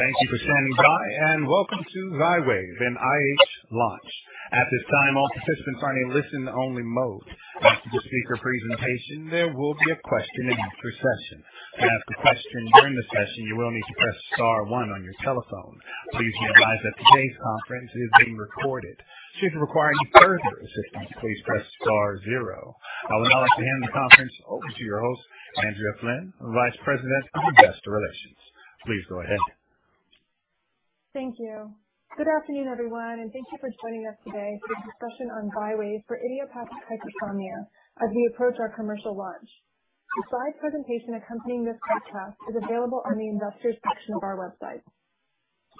Thank you for standing by, and welcome to Xywav in IH Launch. At this time, all participants are in a listen-only mode. After the speaker presentation, there will be a question-and-answer session. To ask a question during the session, you will need to press star one on your telephone. Please be advised that today's conference is being recorded. Should you require any further assistance, please press star zero. I would now like to hand the conference over to your host, Andrea Flynn, Vice President of Investor Relations. Please go ahead. Thank you. Good afternoon, everyone, and thank you for joining us today for the discussion on Xywav for Idiopathic Hypersomnia as we approach our commercial launch. The slide presentation accompanying this webcast is available on the investors' section of our website.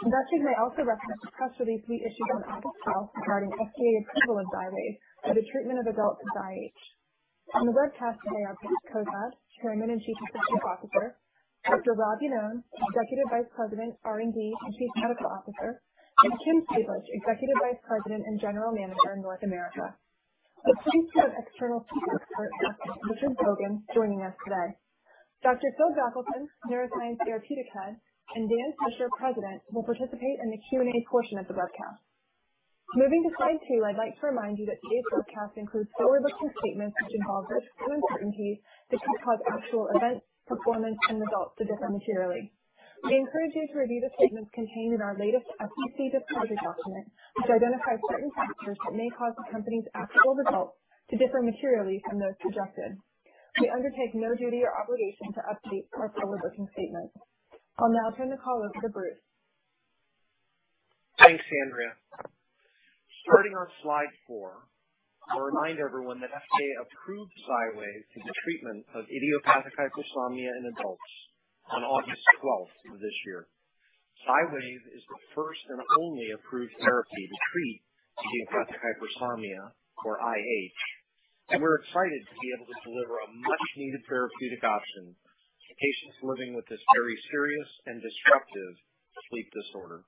Investors may also reference the press release we issued on August 12 regarding FDA approval of Xywav for the treatment of adults with IH. On the webcast today are Bruce Cozadd, Chairman and Chief Executive Officer; Dr. Rob Iannone, Executive Vice President, R&D and Chief Medical Officer; and Kim Sablich, Executive Vice President and General Manager in North America. Also joining us as an external sleep expert is Dr. Richard Bogan joining us today. Dr. Phil Jochelson, Neuroscience Therapeutic Head, and Dan Swisher, President, will participate in the Q&A portion of the webcast. Moving to slide two, I'd like to remind you that today's webcast includes forward-looking statements which involve risks and uncertainties that could cause actual events, performance, and results to differ materially. We encourage you to review the statements contained in our latest SEC disclosure document, which identifies certain factors that may cause the company's actual results to differ materially from those projected. We undertake no duty or obligation to update our forward-looking statements. I'll now turn the call over to Bruce. Thanks, Andrea. Starting on slide four, I'll remind everyone that FDA approved Xywav for the treatment of Idiopathic Hypersomnia in adults on August 12 of this year. Xywav is the first and only approved therapy to treat Idiopathic Hypersomnia, or IH, and we're excited to be able to deliver a much-needed therapeutic option for patients living with this very serious and disruptive sleep disorder.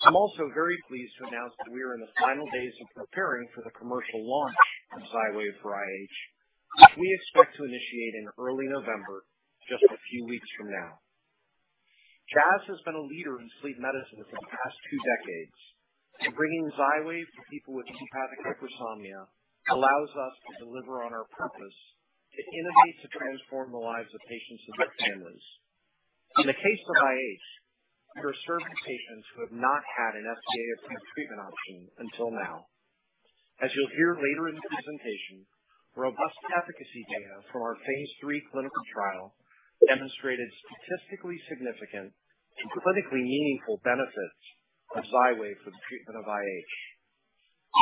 I'm also very pleased to announce that we are in the final days of preparing for the commercial launch of Xywav for IH, which we expect to initiate in early November, just a few weeks from now. Jazz has been a leader in sleep medicine for the past two decades, and bringing Xywav to people with Idiopathic Hypersomnia allows us to deliver on our purpose to innovate to transform the lives of patients and their families. In the case of IH, there are certain patients who have not had an FDA-approved treatment option until now. As you'll hear later in the presentation, robust efficacy data from our phase III clinical trial demonstrated statistically significant and clinically meaningful benefits of Xywav for the treatment of IH.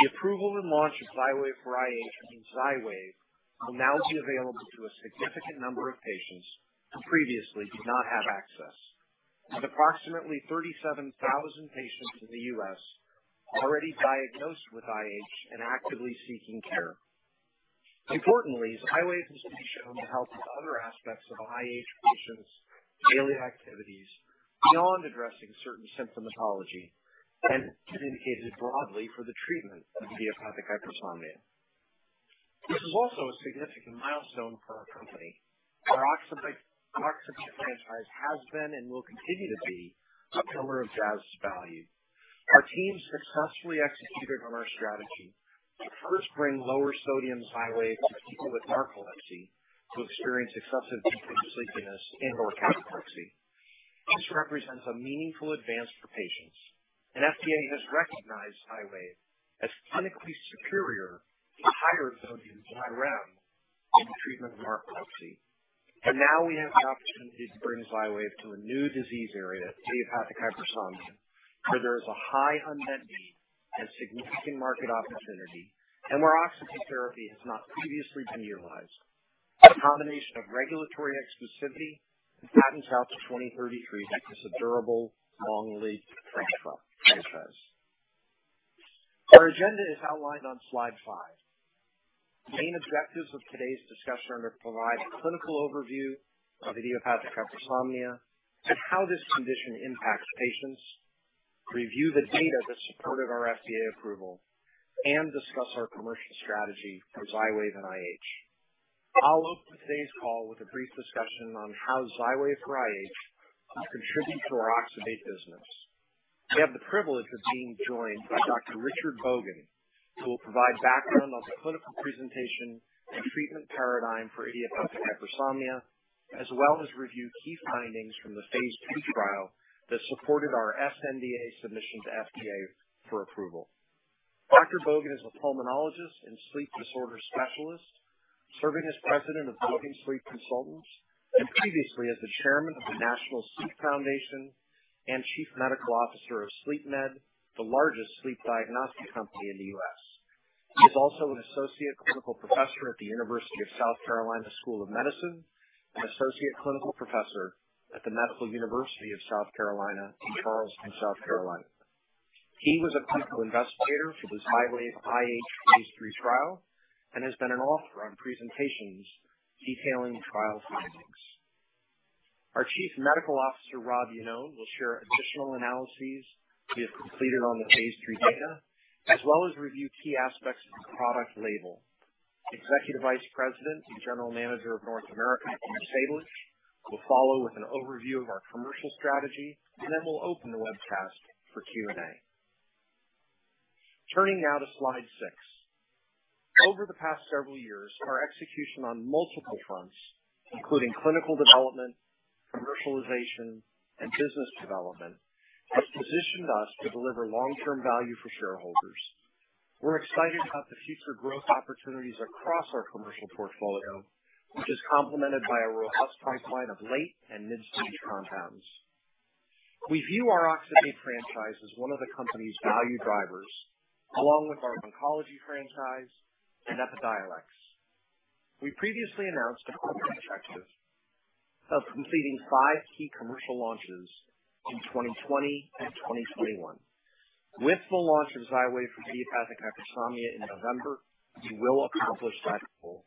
The approval and launch of Xywav for IH means Xywav will now be available to a significant number of patients who previously did not have access, with approximately 37,000 patients in the U.S. already diagnosed with IH and actively seeking care. Importantly, Xywav has been shown to help with other aspects of IH patients' daily activities beyond addressing certain symptomatology and is indicated broadly for the treatment of Idiopathic Hypersomnia. This is also a significant milestone for our company. Our oxybate franchise has been and will continue to be a pillar of Jazz's value. Our team successfully executed on our strategy to first bring lower-sodium Xywav to people with narcolepsy who experience excessive daytime sleepiness and/or cataplexy. This represents a meaningful advance for patients, and FDA has recognized Xywav as clinically superior to higher-sodium Xyrem in the treatment of narcolepsy. And now we have the opportunity to bring Xywav to a new disease area, Idiopathic Hypersomnia, where there is a high unmet need and significant market opportunity, and where oxybate has not previously been utilized. The combination of regulatory exclusivity and patents out to 2033 makes this a durable, long-lived franchise. Our agenda is outlined on slide five. The main objectives of today's discussion are to provide a clinical overview of Idiopathic Hypersomnia and how this condition impacts patients, review the data that supported our FDA approval, and discuss our commercial strategy for Xywav in IH. I'll open today's call with a brief discussion on how Xywav for IH has contributed to our Oxybate business. I have the privilege of being joined by Dr. Richard Bogan, who will provide background on the clinical presentation and treatment paradigm for Idiopathic Hypersomnia, as well as review key findings from the phase two trial that supported our sNDA submission to FDA for approval. Dr. Bogan is a pulmonologist and sleep disorder specialist, serving as president of Bogan Sleep Consultants, and previously as the chairman of the National Sleep Foundation and Chief Medical Officer of SleepMed, the largest sleep diagnostic company in the U.S. He is also an associate clinical professor at the University of South Carolina School of Medicine and associate clinical professor at the Medical University of South Carolina in Charleston, South Carolina. He was a clinical investigator for the Xywav IH phase III trial and has been an author on presentations detailing trial findings. Our Chief Medical Officer, Rob Iannone, will share additional analyses we have completed on the phase III data, as well as review key aspects of the product label. Executive Vice President and General Manager, North America, Kim Sablich, will follow with an overview of our commercial strategy, and then we'll open the webcast for Q&A. Turning now to slide six. Over the past several years, our execution on multiple fronts, including clinical development, commercialization, and business development, has positioned us to deliver long-term value for shareholders. We're excited about the future growth opportunities across our commercial portfolio, which is complemented by a robust pipeline of late and mid-stage compounds. We view our Oxybate franchise as one of the company's value drivers, along with our oncology franchise and Epidiolex. We previously announced a clear objective of completing five key commercial launches in 2020 and 2021. With the launch of Xywav for Idiopathic Hypersomnia in November, we will accomplish that goal.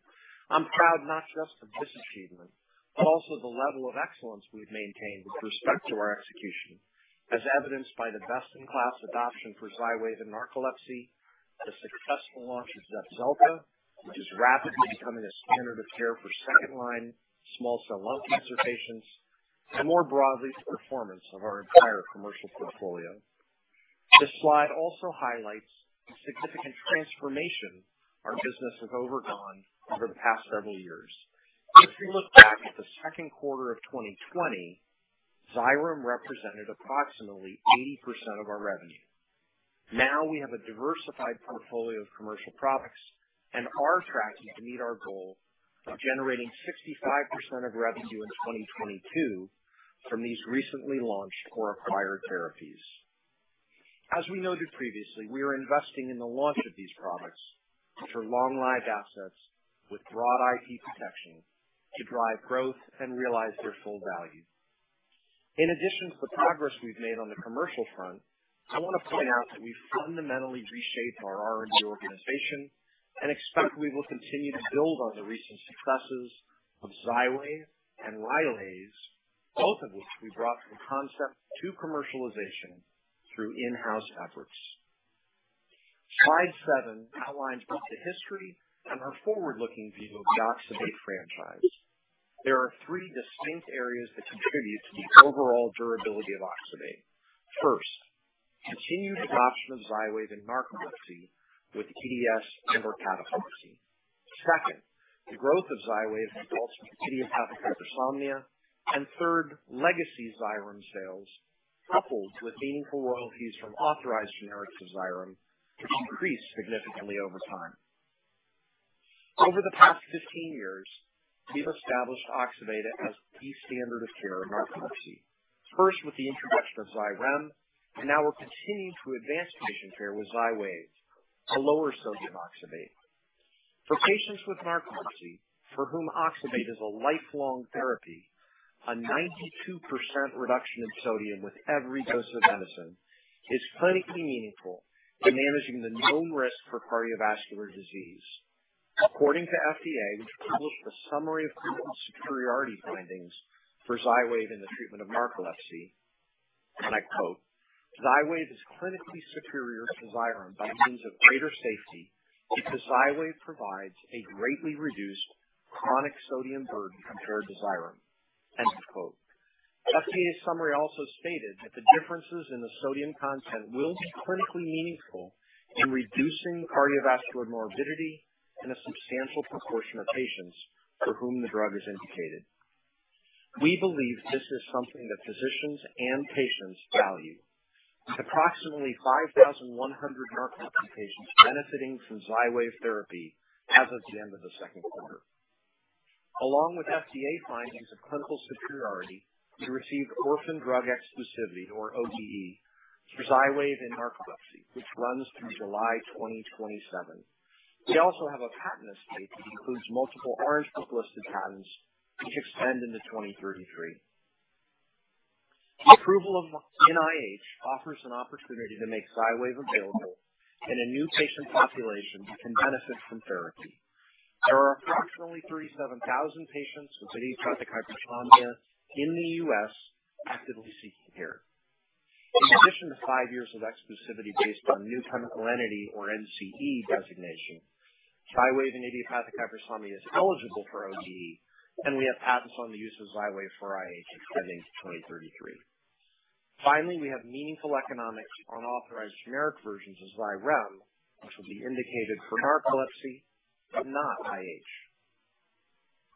I'm proud not just of this achievement, but also the level of excellence we've maintained with respect to our execution, as evidenced by the best-in-class adoption for Xywav in narcolepsy, the successful launch of Zepzelca, which is rapidly becoming a standard of care for second-line small cell lung cancer patients, and more broadly, the performance of our entire commercial portfolio. This slide also highlights the significant transformation our business has undergone over the past several years. If we look back at the second quarter of 2020, Xyrem represented approximately 80% of our revenue. Now we have a diversified portfolio of commercial products, and our task is to meet our goal of generating 65% of revenue in 2022 from these recently launched or acquired therapies. As we noted previously, we are investing in the launch of these products, which are long-lived assets with broad IP protection to drive growth and realize their full value. In addition to the progress we've made on the commercial front, I want to point out that we've fundamentally reshaped our R&D organization and expect we will continue to build on the recent successes of Xywav and Rylaze, both of which we brought from concept to commercialization through in-house efforts. Slide seven outlines both the history and our forward-looking view of the Oxybate franchise. There are three distinct areas that contribute to the overall durability of Oxybate. First, continued adoption of Xywav in narcolepsy with EDS and/or cataplexy. Second, the growth of Xywav results from Idiopathic Hypersomnia, and third, legacy Xyrem sales coupled with meaningful royalties from authorized generics of Xyrem have increased significantly over time. Over the past 15 years, we've established oxybate as the standard of care in narcolepsy, first with the introduction of Xywav, and now we're continuing to advance patient care with Xywav, a lower-sodium oxybate. For patients with narcolepsy for whom oxybate is a lifelong therapy, a 92% reduction in sodium with every dose of medicine is clinically meaningful in managing the known risk for cardiovascular disease. According to FDA, which published a summary of clinical superiority findings for Xywav in the treatment of narcolepsy, and I quote, "Xyrem is clinically superior to Xyrem by means of greater safety because Xywav provides a greatly reduced chronic sodium burden compared to Xyrem." FDA summary also stated that the differences in the sodium content will be clinically meaningful in reducing cardiovascular morbidity in a substantial proportion of patients for whom the drug is indicated. We believe this is something that physicians and patients value, with approximately 5,100 narcolepsy patients benefiting from Xywav therapy as of the end of the second quarter. Along with FDA findings of clinical superiority, we received orphan drug exclusivity, or ODE, for Xywav in narcolepsy, which runs through July 2027. We also have a patent estate that includes multiple Orange Book-listed patents which extend into 2033. The approval of IH offers an opportunity to make Xywav available in a new patient population who can benefit from therapy. There are approximately 37,000 patients with Idiopathic Hypersomnia in the U.S. actively seeking care. In addition to five years of exclusivity based on new chemical entity, or NCE Xywav in idiopathic hypersomnia is eligible for ODE, and we have patents on the use of Xywav for IH extending to 2033. Finally, we have meaningful economics on authorized generic versions of Xywav, which will be indicated for narcolepsy but not IH.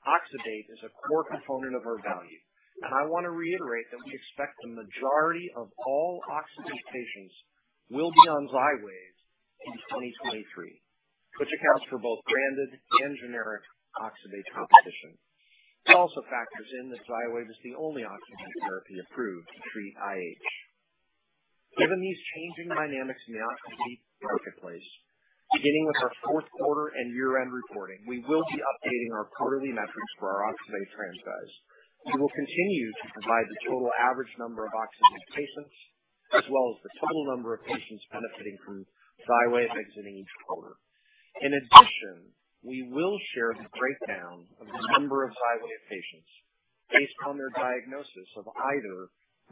Oxybate is a core component of our value, and I want to reiterate that we expect the majority of all oxybate patients will be on Xywav in 2023, which accounts for both branded and generic oxybate competition. It also factors in that Xywav is the only oxybate therapy approved to treat IH. Given these changing dynamics in the Oxybate marketplace, beginning with our fourth quarter and year-end reporting, we will be updating our quarterly metrics for our Oxybate franchise. We will continue to provide the total average number of oxybate patients, as well as the total number of patients benefiting from Xywav exiting each quarter. In addition, we will share the breakdown of the number of Xywav patients based on their diagnosis of either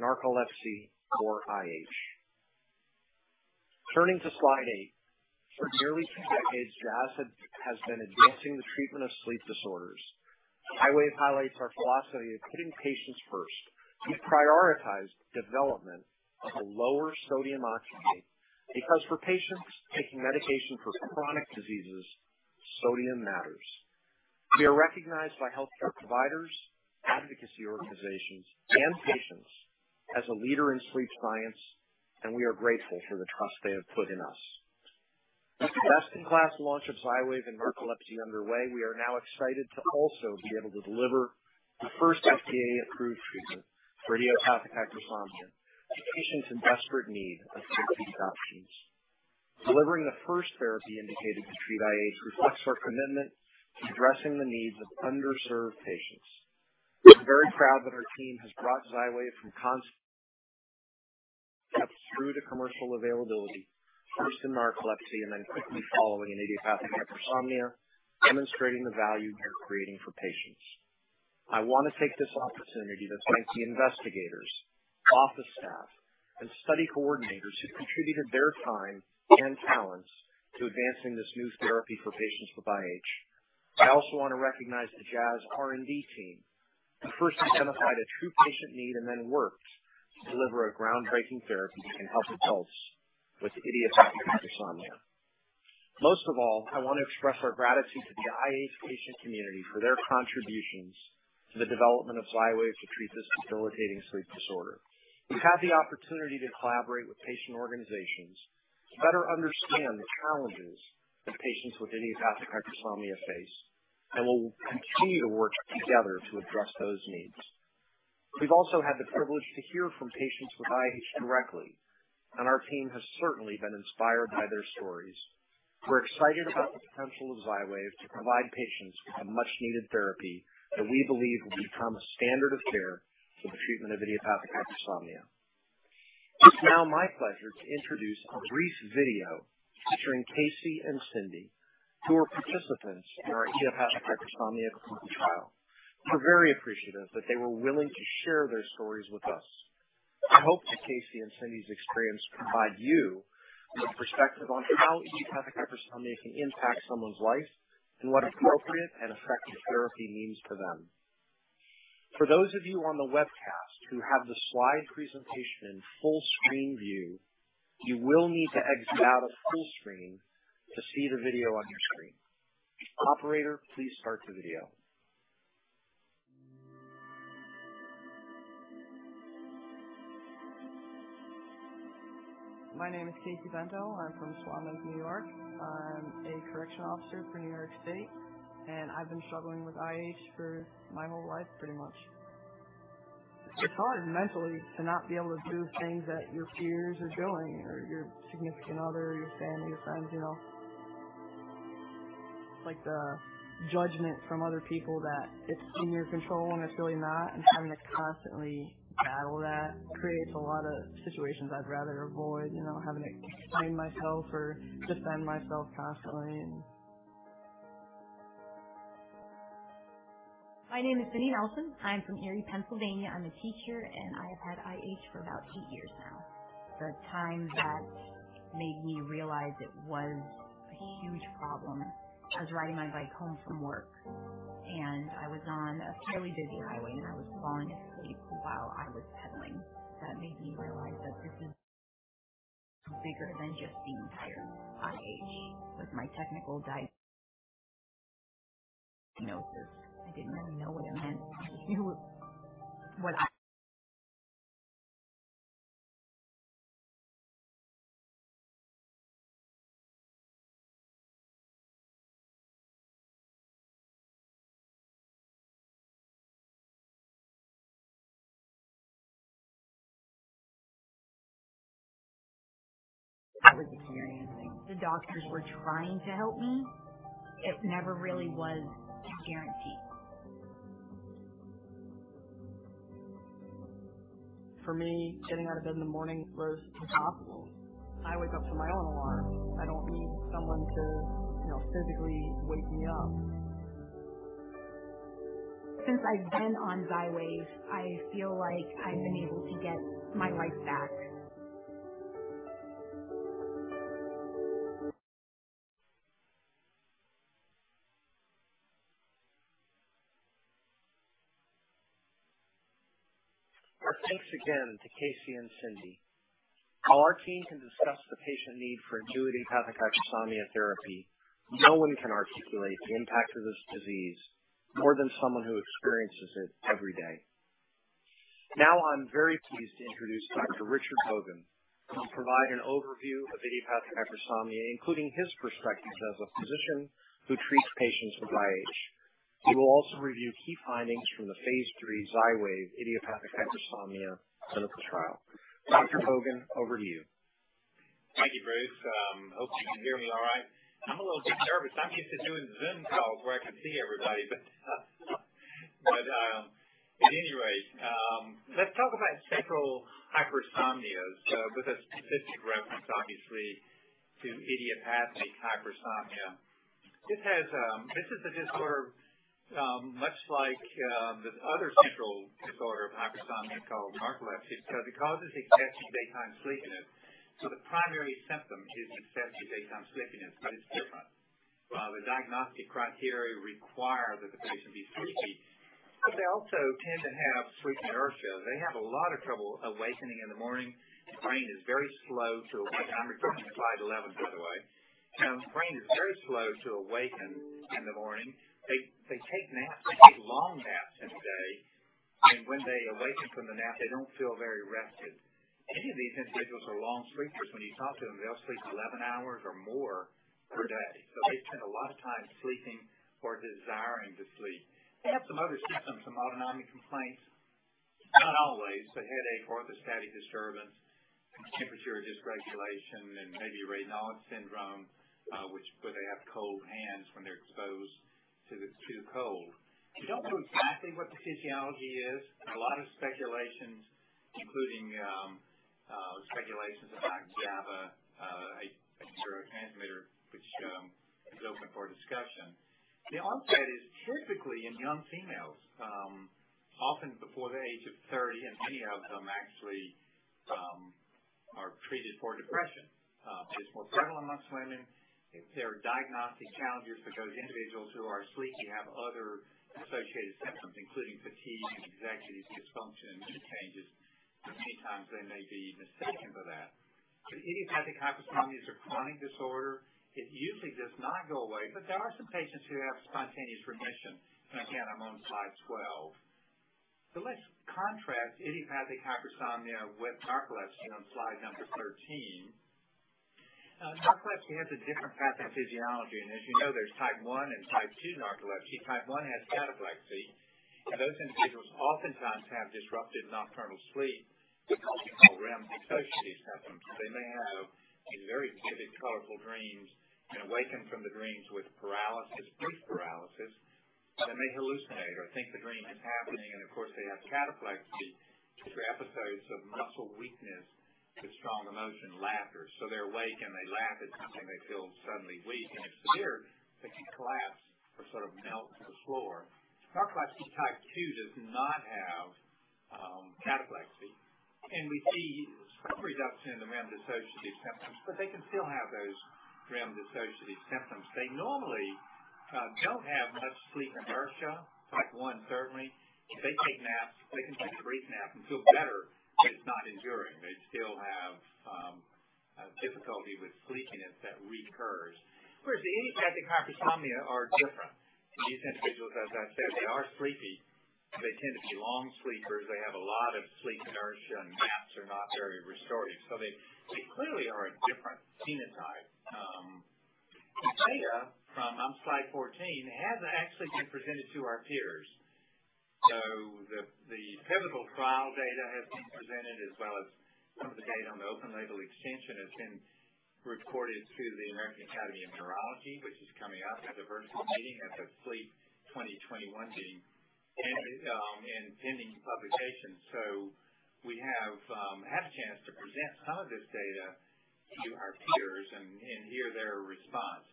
narcolepsy or IH. Turning to slide eight, for nearly two decades, Jazz has been advancing the treatment of sleep disorders. Xywav highlights our philosophy of putting patients first. We prioritize the development of a lower-sodium oxybate because for patients taking medication for chronic diseases, sodium matters. We are recognized by healthcare providers, advocacy organizations, and patients as a leader in sleep science, and we are grateful for the trust they have put in us. With the best-in-class launch of Xywav in narcolepsy underway, we are now excited to also be able to deliver the first FDA-approved treatment for Idiopathic Hypersomnia to patients in desperate need of sleep-induced options. Delivering the first therapy indicated to treat IH reflects our commitment to addressing the needs of underserved patients. We're very proud that our team has brought Xywav from concept through to commercial availability, first in narcolepsy and then quickly following in Idiopathic Hypersomnia, demonstrating the value we're creating for patients. I want to take this opportunity to thank the investigators, office staff, and study coordinators who contributed their time and talents to advancing this new therapy for patients with IH. I also want to recognize the Jazz R&D team, who first identified a true patient need and then worked to deliver a groundbreaking therapy that can help adults with Idiopathic Hypersomnia. Most of all, I want to express our gratitude to the IH patient community for their contributions to the development of Xywav to treat this debilitating sleep disorder. We've had the opportunity to collaborate with patient organizations to better understand the challenges that patients with Idiopathic Hypersomnia face, and we'll continue to work together to address those needs. We've also had the privilege to hear from patients with IH directly, and our team has certainly been inspired by their stories. We're excited about the potential of Xywav to provide patients with a much-needed therapy that we believe will become a standard of care for the treatment of Idiopathic Hypersomnia. It's now my pleasure to introduce a brief video featuring Casey and Cindy, who are participants in our Idiopathic Hypersomnia clinical trial. We're very appreciative that they were willing to share their stories with us. I hope that Casey and Cindy's experience provide you with perspective on how Idiopathic Hypersomnia can impact someone's life and what appropriate and effective therapy means for them. For those of you on the webcast who have the slide presentation in full screen view, you will need to exit out of full screen to see the video on your screen. Operator, please start the video. My name is Casey Bendall. I'm from Swan Lake, New York. I'm a correction officer for New York State, and I've been struggling with IH for my whole life, pretty much. It's hard mentally to not be able to do things that your peers are doing, or your significant other, your family, your friends. It's like the judgment from other people that it's in your control and it's really not, and having to constantly battle that creates a lot of situations I'd rather avoid, having to contain myself or defend myself constantly. My name is Cindy Nelson. I'm from Erie, Pennsylvania. I'm a teacher, and I have had IH for about eight years now. The time that made me realize it was a huge problem was riding my bike home from work, and I was on a fairly busy highway, and I was falling asleep while I was pedaling. That made me realize that this is bigger than just being tired. IH was my technical diagnosis. I didn't really know what it meant. I just knew what I was experiencing. The doctors were trying to help me. It never really was a guarantee. For me, getting out of bed in the morning was impossible. I wake up to my own alarm. I don't need someone to physically wake me up. Since I've been on Xywav, I feel like I've been able to get my life back. Thanks again to Casey and Cindy. While our team can discuss the patient need for new Idiopathic Hypersomnia therapy, no one can articulate the impact of this disease more than someone who experiences it every day. Now I'm very pleased to introduce Dr. Richard Bogan, who will provide an overview of Idiopathic Hypersomnia, including his perspectives as a physician who treats patients with IH. He will also review key findings from the phase III Xywav Idiopathic Hypersomnia clinical trial. Dr. Bogan, over to you. Thank you, Bruce. Hope you can hear me all right. I'm a little bit nervous. I'm used to doing Zoom calls where I can see everybody, but at any rate, let's talk about central hypersomnia, with a specific reference, obviously, to Idiopathic Hypersomnia. This is a disorder much like the other central disorder of hypersomnia called narcolepsy because it causes excessive daytime sleepiness. So the primary symptom is excessive daytime sleepiness, but it's different. While the diagnostic criteria require that the patient be sleepy, they also tend to have sleep inertia. They have a lot of trouble awakening in the morning. The brain is very slow to awaken. I'm referring to slide 11, by the way. The brain is very slow to awaken in the morning. They take naps. They take long naps in the day, and when they awaken from the nap, they don't feel very rested. Many of these individuals are long sleepers. When you talk to them, they'll sleep 11 hours or more per day. So they spend a lot of time sleeping or desiring to sleep. They have some other symptoms, some autonomic complaints, not always, but headache, orthostatic disturbance, temperature dysregulation, and maybe Raynaud's syndrome, where they have cold hands when they're exposed to the cold. We don't know exactly what the physiology is. There are a lot of speculations, including speculations about GABA, a neurotransmitter, which is open for discussion. The onset is typically in young females, often before the age of 30, and many of them actually are treated for depression. It's more prevalent amongst women. There are diagnostic challenges because individuals who are sleepy have other associated symptoms, including fatigue and executive dysfunction and mood changes. Many times, they may be mistaken for that, but Idiopathic Hypersomnia is a chronic disorder. It usually does not go away, but there are some patients who have spontaneous remission. Again, I'm on slide 12. Let's contrast Idiopathic Hypersomnia with narcolepsy on slide number 13. Narcolepsy has a different pathophysiology, and as you know, there's type 1 and type 2 narcolepsy. Type 1 has cataplexy, and those individuals oftentimes have disrupted nocturnal sleep. We call REM intrusion symptoms. They may have these very vivid, colorful dreams and awaken from the dreams with paralysis, brief paralysis. They may hallucinate or think the dream is happening, and of course, they have cataplexy, which are episodes of muscle weakness with strong emotion, laughter. They're awake and they laugh at something they feel suddenly weak. If it's severe, they can collapse or sort of melt to the floor. Narcolepsy Type 2 does not have cataplexy, and we see some reduction in the REM dissociative symptoms, but they can still have those REM dissociative symptoms. They normally don't have much sleep inertia. Narcolepsy Type 1, certainly. If they take naps, they can take a brief nap and feel better, but it's not enduring. They still have difficulty with sleepiness that recurs. Whereas the Idiopathic Hypersomnia are different. These individuals, as I said, they are sleepy. They tend to be long sleepers. They have a lot of sleep inertia, and naps are not very restorative. So they clearly are a different phenotype. The data from slide 14 has actually been presented to our peers. So the pivotal trial data has been presented, as well as some of the data on the open-label extension has been reported to the American Academy of Neurology, which is coming up at the virtual meeting, at the SLEEP 2021 meeting, and pending publication. So we have had a chance to present some of this data to our peers and hear their response.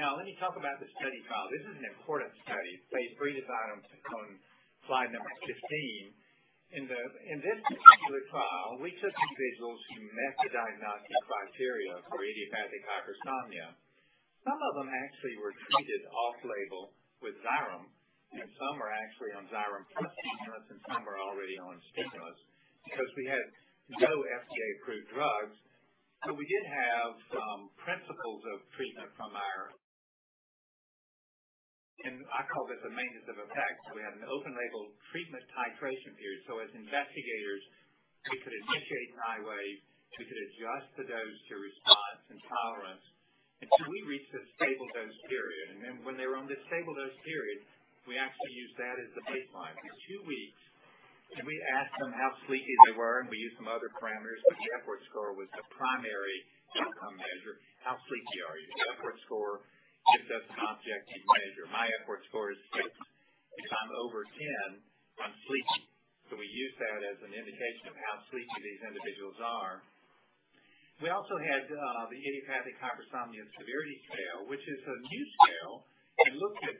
Now, let me talk about the study trial. This is an important study. Phase III is on slide number 15. In this particular trial, we took individuals who met the diagnostic criteria for Idiopathic Hypersomnia. Some of them actually were treated off-label with Xywav, and some are actually on Xyrem plus stimulants, and some are already on stimulants because we had no FDA-approved drugs. But we did have principles of treatment from narcolepsy, and I call this a maintenance of effect. We had an open-label treatment titration period. As investigators, we could initiate Xywav. We could adjust the dose to response and tolerance until we reached a stable dose period, and then when they were on the stable dose period, we actually used that as the baseline. For two weeks, we asked them how sleepy they were, and we used some other parameters, but the Epworth score was the primary outcome measure. How sleepy are you? The Epworth score is just an objective measure. My Epworth score is six. If I'm over 10, I'm sleepy, so we use that as an indication of how sleepy these individuals are. We also had the Idiopathic Hypersomnia Severity Scale, which is a new scale that looks at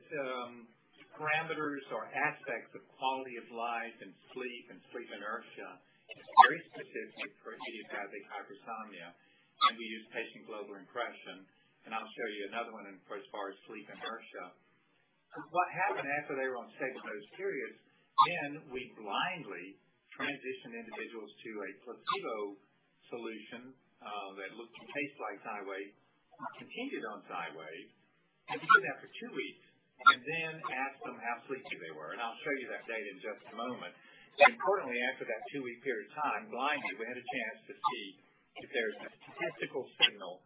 parameters or aspects of quality of life and sleep and sleep inertia. It's very specific for Idiopathic Hypersomnia, and we use Patient Global Impression. I'll show you another one as far as sleep inertia. What happened after they were on stable dose periods? We blindly transitioned individuals to a placebo solution that looked and tasted like Xywav and continued on Xywav. We did that for two weeks and then asked them how sleepy they were. I'll show you that data in just a moment. Importantly, after that two-week period of time, blindly, we had a chance to see if there's a statistical signal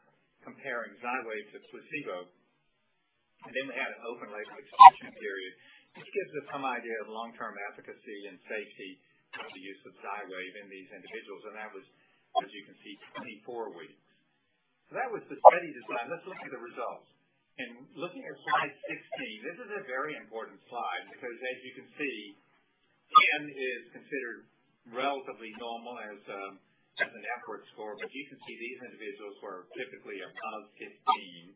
comparing Xywav to placebo. We had an open-label extension period, which gives us some idea of long-term efficacy and safety of the use of Xywav in these individuals. That was, as you can see, 24 weeks. That was the study design. Let's look at the results. Looking at slide 16, this is a very important slide because, as you can see, 10 is considered relatively normal as an Epworth score, but you can see these individuals were typically above 15.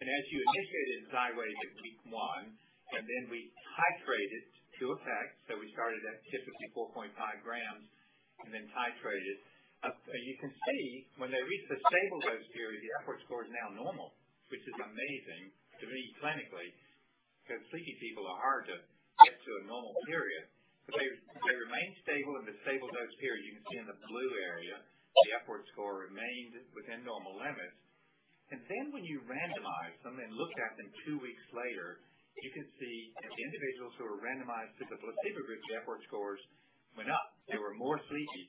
As you initiated Xywav at week one, and then we titrated to effect. We started at typically 4.5 g and then titrated. You can see when they reached the stable dose period, the Epworth score is now normal, which is amazing to me clinically because sleepy people are hard to get to a normal period. They remained stable in the stable dose period. You can see in the blue area, the Epworth score remained within normal limits. Then when you randomized them and looked at them two weeks later, you can see that the individuals who were randomized to the placebo group, the Epworth scores went up. They were more sleepy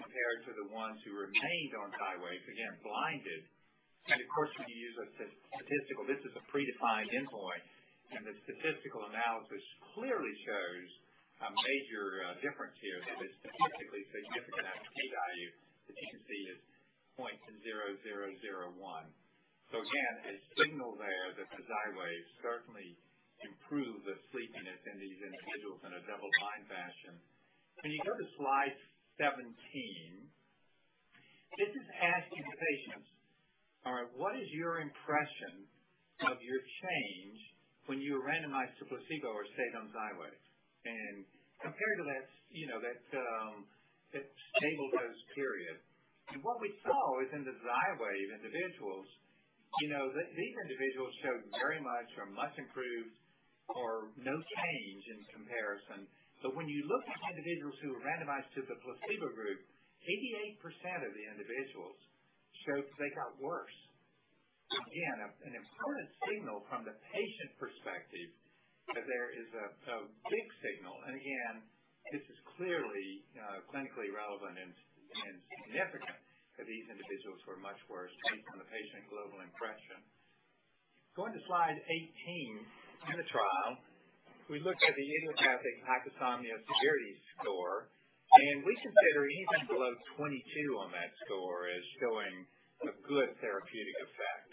compared to the ones who remained on Xywav, again, blinded. Of course, when you use a statistical—this is a predefined endpoint—and the statistical analysis clearly shows a major difference here. The statistically significant p-value, as you can see, is 0.0001. So again, a signal there that the Xywav certainly improved the sleepiness in these individuals in a double-blind fashion. When you go to slide 17, this is asking the patients, "All right, what is your impression of your change when you randomized to placebo or stayed on Xywav?" Compared to that stable dose period, what we saw is in the Xywav individuals, these individuals showed very much or much improved or no change in comparison. But when you look at individuals who were randomized to the placebo group, 88% of the individuals showed they got worse. Again, an important signal from the patient perspective that there is a big signal. And again, this is clearly clinically relevant and significant that these individuals were much worse based on the Patient Global Impression. Going to slide 18 in the trial, we looked at the Idiopathic Hypersomnia severity score, and we consider anything below 22 on that score as showing a good therapeutic effect.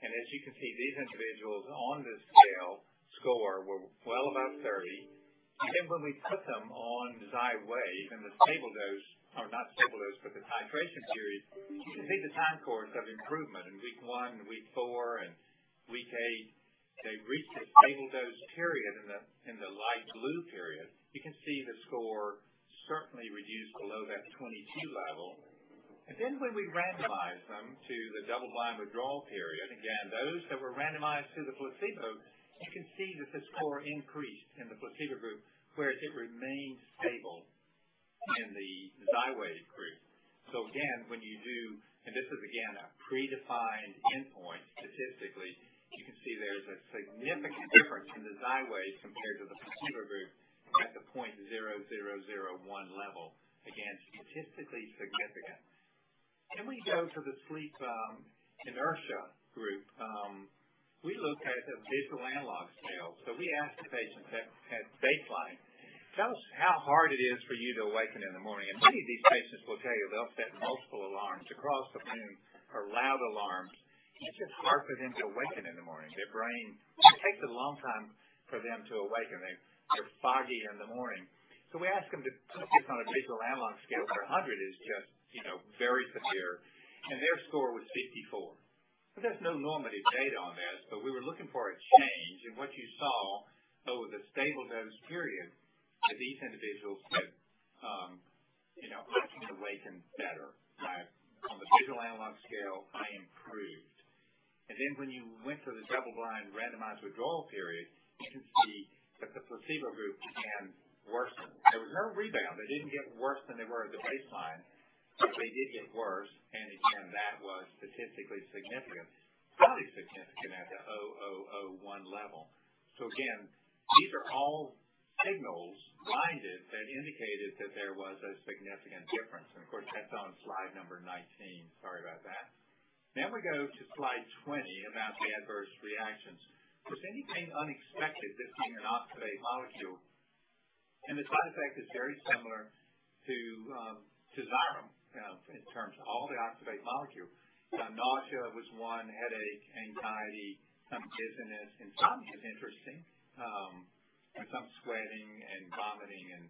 And as you can see, these individuals on the scale score were well above 30. And then when we put them on Xywav in the stable dose - or not stable dose, but the titration period - you can see the time course of improvement. In week one, week four, and week eight, they reached the stable dose period in the light blue period. You can see the score certainly reduced below that 22 level. Then when we randomized them to the double-blind withdrawal period, again, those that were randomized to the placebo, you can see that the score increased in the placebo group, whereas it remained stable in the Xywav group. So again, when you do (and this is again a predefined endpoint statistically), you can see there's a significant difference in the Xywav compared to the placebo group at the 0.0001 level. Again, statistically significant. Then we go to the sleep inertia group. We look at a Visual Analog Scale. So we ask the patients at baseline, "Tell us how hard it is for you to awaken in the morning." And many of these patients will tell you they'll set multiple alarms across the room or loud alarms. It's just hard for them to awaken in the morning. Their brain takes a long time for them to awaken. They're foggy in the morning. So we ask them to put this on a Visual Analog Scale where 100 is just very severe, and their score was 54. There's no normative data on this, but we were looking for a change. And what you saw over the stable dose period, these individuals could awaken better. On the Visual Analog Scale, I improved. And then when you went to the double-blind randomized withdrawal period, you can see that the placebo group began worsening. There was no rebound. They didn't get worse than they were at the baseline, but they did get worse. And again, that was statistically significant, highly significant at the 0.0001 level. So again, these are all signals blinded that indicated that there was a significant difference. And of course, that's on slide number 19. Sorry about that. Now we go to slide 20 about the adverse reactions. is nothing unexpected that's in an oxybate molecule. The side effect is very similar to Xyrem in terms of all the oxybate molecules. Nausea was one, headache, anxiety, some dizziness. Insomnia is interesting, with some sweating and vomiting.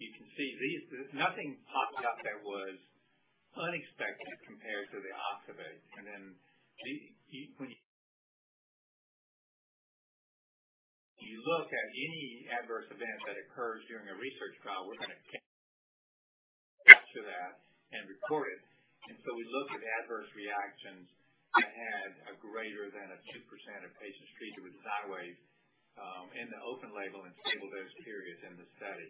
You can see nothing popped up that was unexpected compared to the oxybate. Then when you look at any adverse event that occurs during a research trial, we're going to capture that and record it. We looked at adverse reactions that had a greater than 2% of patients treated with Xywav in the open-label and stable dose periods in the study.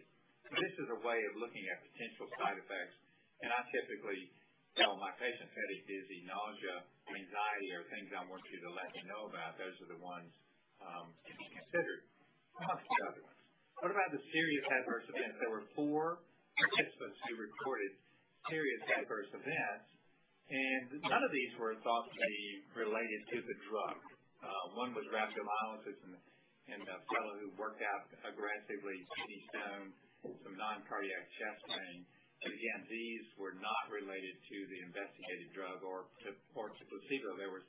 This is a way of looking at potential side effects. I typically tell my patients, "Headache, dizzy, nausea, anxiety, or things I want you to let me know about, those are the ones to be considered." I'll ask you the other ones. What about the serious adverse events? There were four participants who reported serious adverse events, and none of these were thought to be related to the drug. One was rhabdomyolysis in a fellow who worked out aggressively, kidney stone, some non-cardiac chest pain. But again, these were not related to the investigated drug or to placebo. There were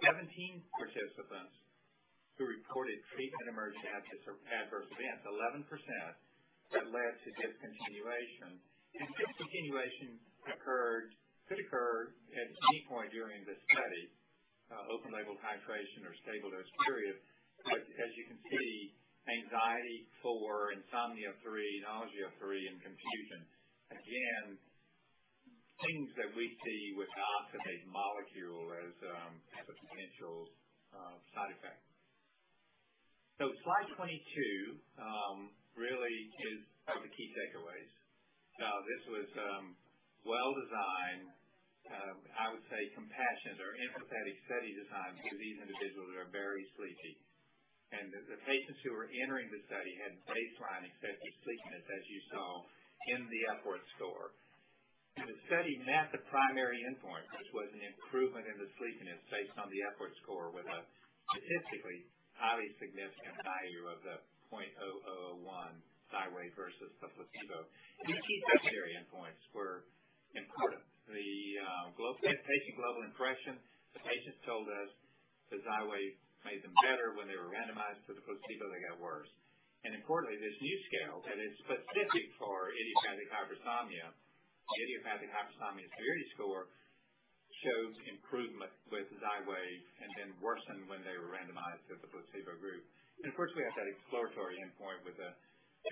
17 participants who reported treatment-emergent adverse events, 11%, that led to discontinuation. And discontinuation could occur at any point during the study, open-label titration or stable dose period. But as you can see, anxiety 4, insomnia 3, nausea 3, and confusion. Again, things that we see with the oxybate molecule as a potential side effect. So slide 22 really is the key takeaways. This was well-designed, I would say, compassionate or empathetic study design for these individuals that are very sleepy. The patients who were entering the study had baseline excessive sleepiness, as you saw in the Epworth score. The study met the primary endpoint, which was an improvement in the sleepiness based on the Epworth score with a statistically highly significant value of the 0.0001 Xywav versus the placebo. These key secondary endpoints were important. The Patient Global Impression, the patients told us the Xywav made them better. When they were randomized to the placebo, they got worse. Importantly, this new scale that is specific for Idiopathic Hypersomnia, the Idiopathic Hypersomnia severity score showed improvement with Xywav and then worsened when they were randomized to the placebo group. Of course, we had that exploratory endpoint with a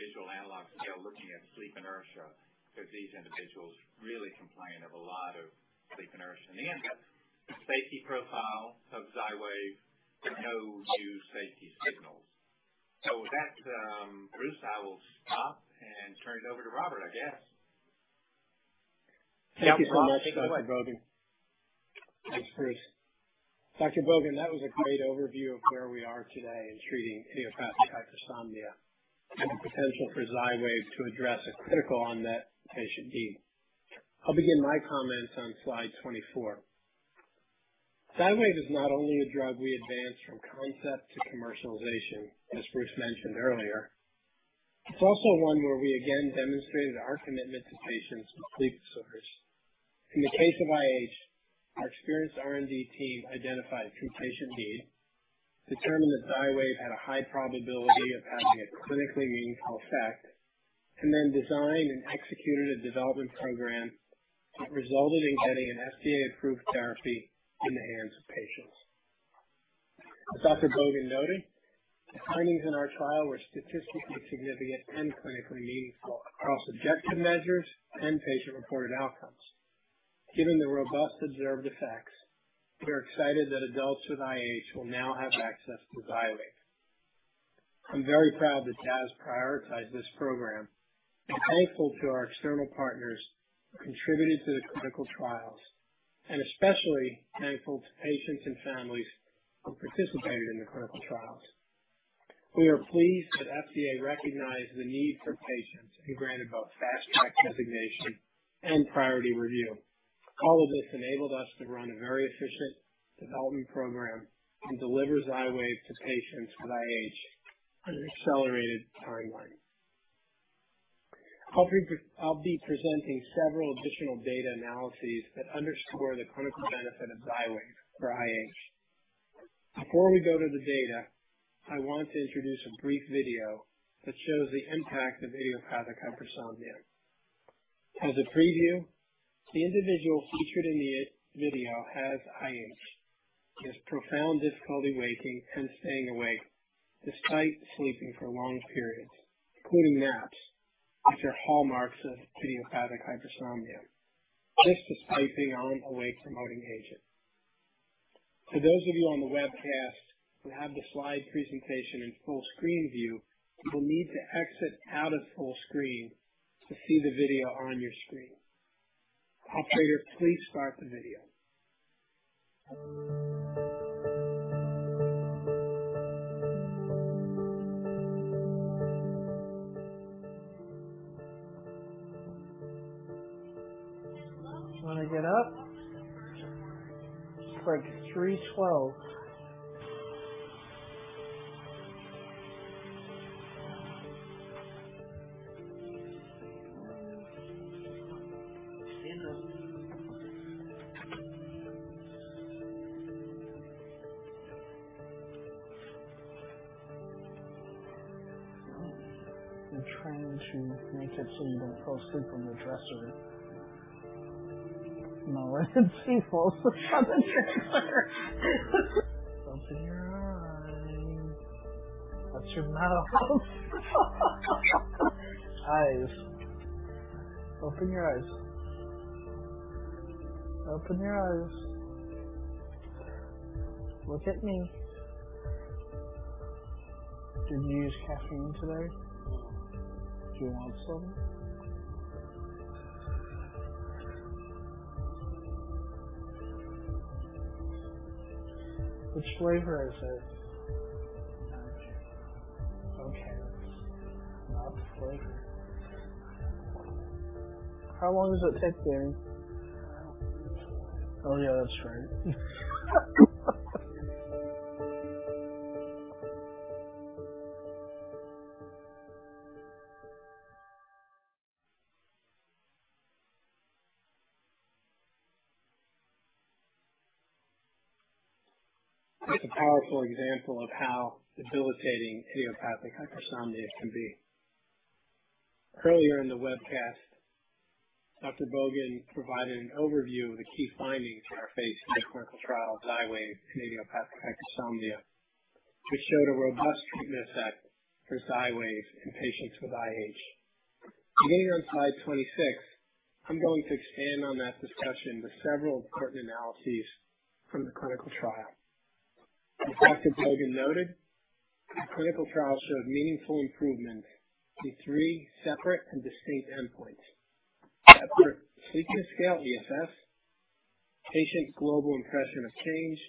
Visual Analog Scale looking at sleep inertia because these individuals really complained of a lot of sleep inertia. They had that safety profile of Xywav with no new safety signals. So that, Bruce, I will stop and turn it over to Robert, I guess. Thank you so much, Dr. Bogan. Thanks, Bruce. Dr. Bogan, that was a great overview of where we are today in treating Idiopathic Hypersomnia and the potential for Xywav to address a critical unmet patient need. I'll begin my comments on slide 24. Xywav is not only a drug we advanced from concept to commercialization, as Bruce mentioned earlier. It's also one where we again demonstrated our commitment to patients with sleep disorders. In the case of IH, our experienced R&D team identified true patient need, determined that Xywav had a high probability of having a clinically meaningful effect, and then designed and executed a development program that resulted in getting an FDA-approved therapy in the hands of patients. As Dr. Bogan noted, the findings in our trial were statistically significant and clinically meaningful across objective measures and patient-reported outcomes. Given the robust observed effects, we are excited that adults with IH will now have access to Xywav. I'm very proud that Jazz prioritized this program. I'm thankful to our external partners who contributed to the clinical trials and especially thankful to patients and families who participated in the clinical trials. We are pleased that FDA recognized the need for patients and granted both fast-track designation and priority review. All of this enabled us to run a very efficient development program and deliver Xywav to patients with IH on an accelerated timeline. I'll be presenting several additional data analyses that underscore the clinical benefit of Xywav for IH. Before we go to the data, I want to introduce a brief video that shows the impact of Idiopathic Hypersomnia. As a preview, the individual featured in the video has IH, has profound difficulty waking and staying awake despite sleeping for long periods, including naps, which are hallmarks of this despite being on an awake-promoting agent. For those of you on the webcast who have the slide presentation in full screen view, you will need to exit out of full screen to see the video on your screen. Operator, please start the video. Want to get up? It's like 3:12. I'm trying to make it so you don't fall asleep on the dresser. I'm already asleep on the dresser. Open your eyes. That's your mouth. Eyes. Open your eyes. Open your eyes. Look at me. Did you use caffeine today? No. Do you want some? Which flavor is it? Okay. Okay. That's not the flavor. How long does it take, Danny? I don't remember. Oh, yeah, that's right. That's a powerful example of how debilitating Idiopathic Hypersomnia can be. Earlier in the webcast, Dr. Bogan provided an overview of the key findings we are facing in the clinical trial Xywav in idiopathic hypersomnia, which showed a robust treatment effect for Xywav in patients with IH. Beginning on slide 26, I'm going to expand on that discussion with several important analyses from the clinical trial. As Dr. Bogan noted, the clinical trial showed meaningful improvement in three separate and distinct endpoints: Epworth Sleepiness Patient Global Impression of Change,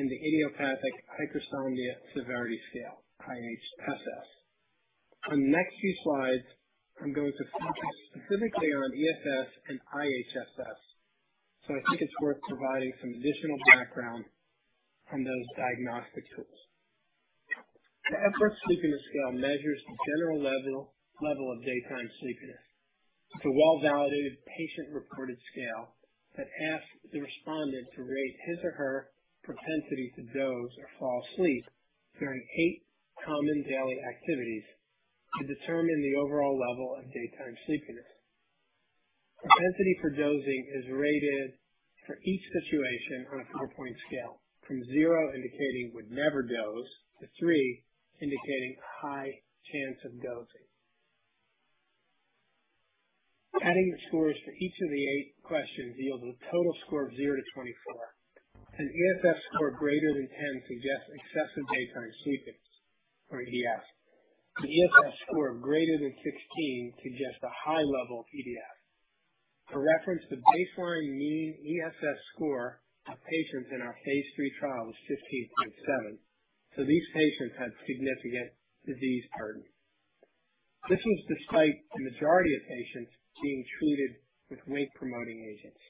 and the Idiopathic Hypersomnia severity scale, IHSS. On the next few slides, I'm going to focus specifically on ESS and IHSS, so I think it's worth providing some additional background on those diagnostic tools. The Epworth Sleepiness Scale measures the general level of daytime sleepiness. It's a well-validated patient-reported scale that asks the respondent to rate his or her propensity to doze or fall asleep during eight common daily activities to determine the overall level of daytime sleepiness. Propensity for dozing is rated for each situation on a four-point scale, from zero indicating would never doze to three indicating a high chance of dozing. Adding the scores for each of the eight questions yields a total score of 0-24. An ESS score greater than 10 suggests excessive daytime sleepiness, or EDS. An ESS score greater than 16 suggests a high level of EDS. For reference, the baseline mean ESS score of patients in our phase III trial was 15.7, so these patients had significant disease burden. This was despite the majority of patients being treated with wake-promoting agents,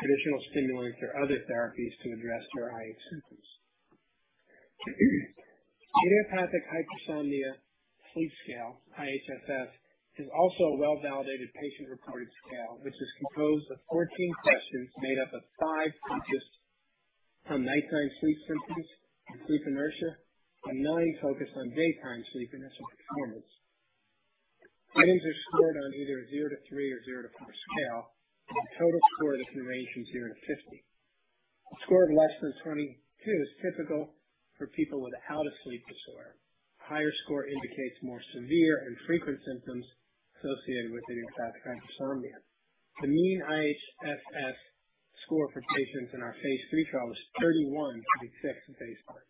traditional stimulants, or other therapies to address their IH symptoms. Idiopathic Hypersomnia Severity Scale, IHSS, is also a well-validated patient-reported scale, which is composed of 14 questions made up of five focused on nighttime sleep symptoms and sleep inertia and nine focused on daytime sleepiness and performance. Items are scored on either a 0-3 or 0-4 scale, with a total score that can range from 0-50. A score of less than 22 is typical for people without a sleep disorder. A higher score indicates more severe and frequent symptoms associated with Idiopathic Hypersomnia. The mean IHSS score for patients in our phase III trial was 31.6 at baseline.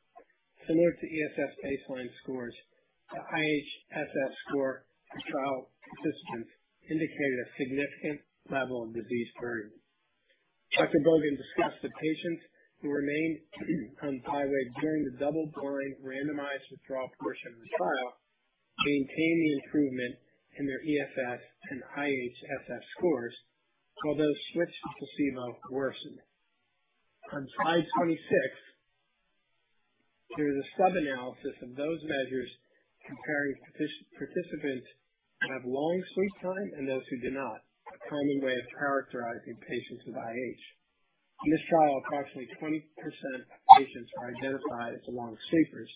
Similar to ESS baseline scores, the IHSS score for trial participants indicated a significant level of disease burden. Dr. Bogan discussed that patients who remained on Xywav during the double-blind randomized withdrawal portion of the trial maintained the improvement in their ESS and IHSS scores, although switched to placebo worsened. On slide 26, there is a sub-analysis of those measures comparing participants who have long sleep time and those who do not, a common way of characterizing patients with IH. In this trial, approximately 20% of patients were identified as long sleepers,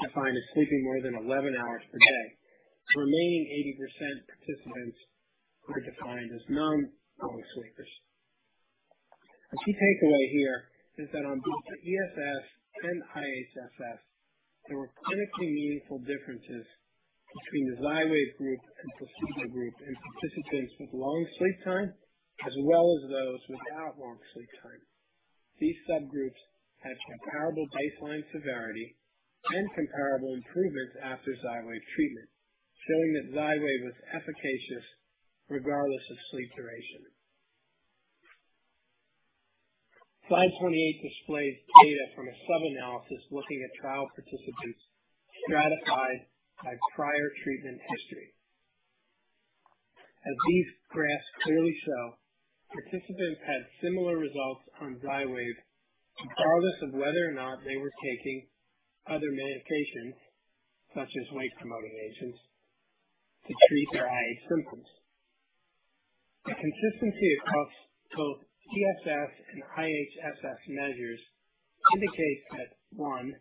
defined as sleeping more than 11 hours per day. The remaining 80% of participants were defined as non-long sleepers. The key takeaway here is that on both the ESS and IHSS, there were clinically meaningful differences between the Xywav group and placebo group in participants with long sleep time as well as those without long sleep time. These subgroups had comparable baseline severity and comparable improvements after Xywav treatment, showing that Xywav was efficacious regardless of sleep duration. Slide 28 displays data from a sub-analysis looking at trial participants stratified by prior treatment history. As these graphs clearly show, participants had similar results on Xywav regardless of whether or not they were taking other medications, such as wake-promoting agents, to treat their IH symptoms. The consistency across both ESS and IHSS measures indicates that, one,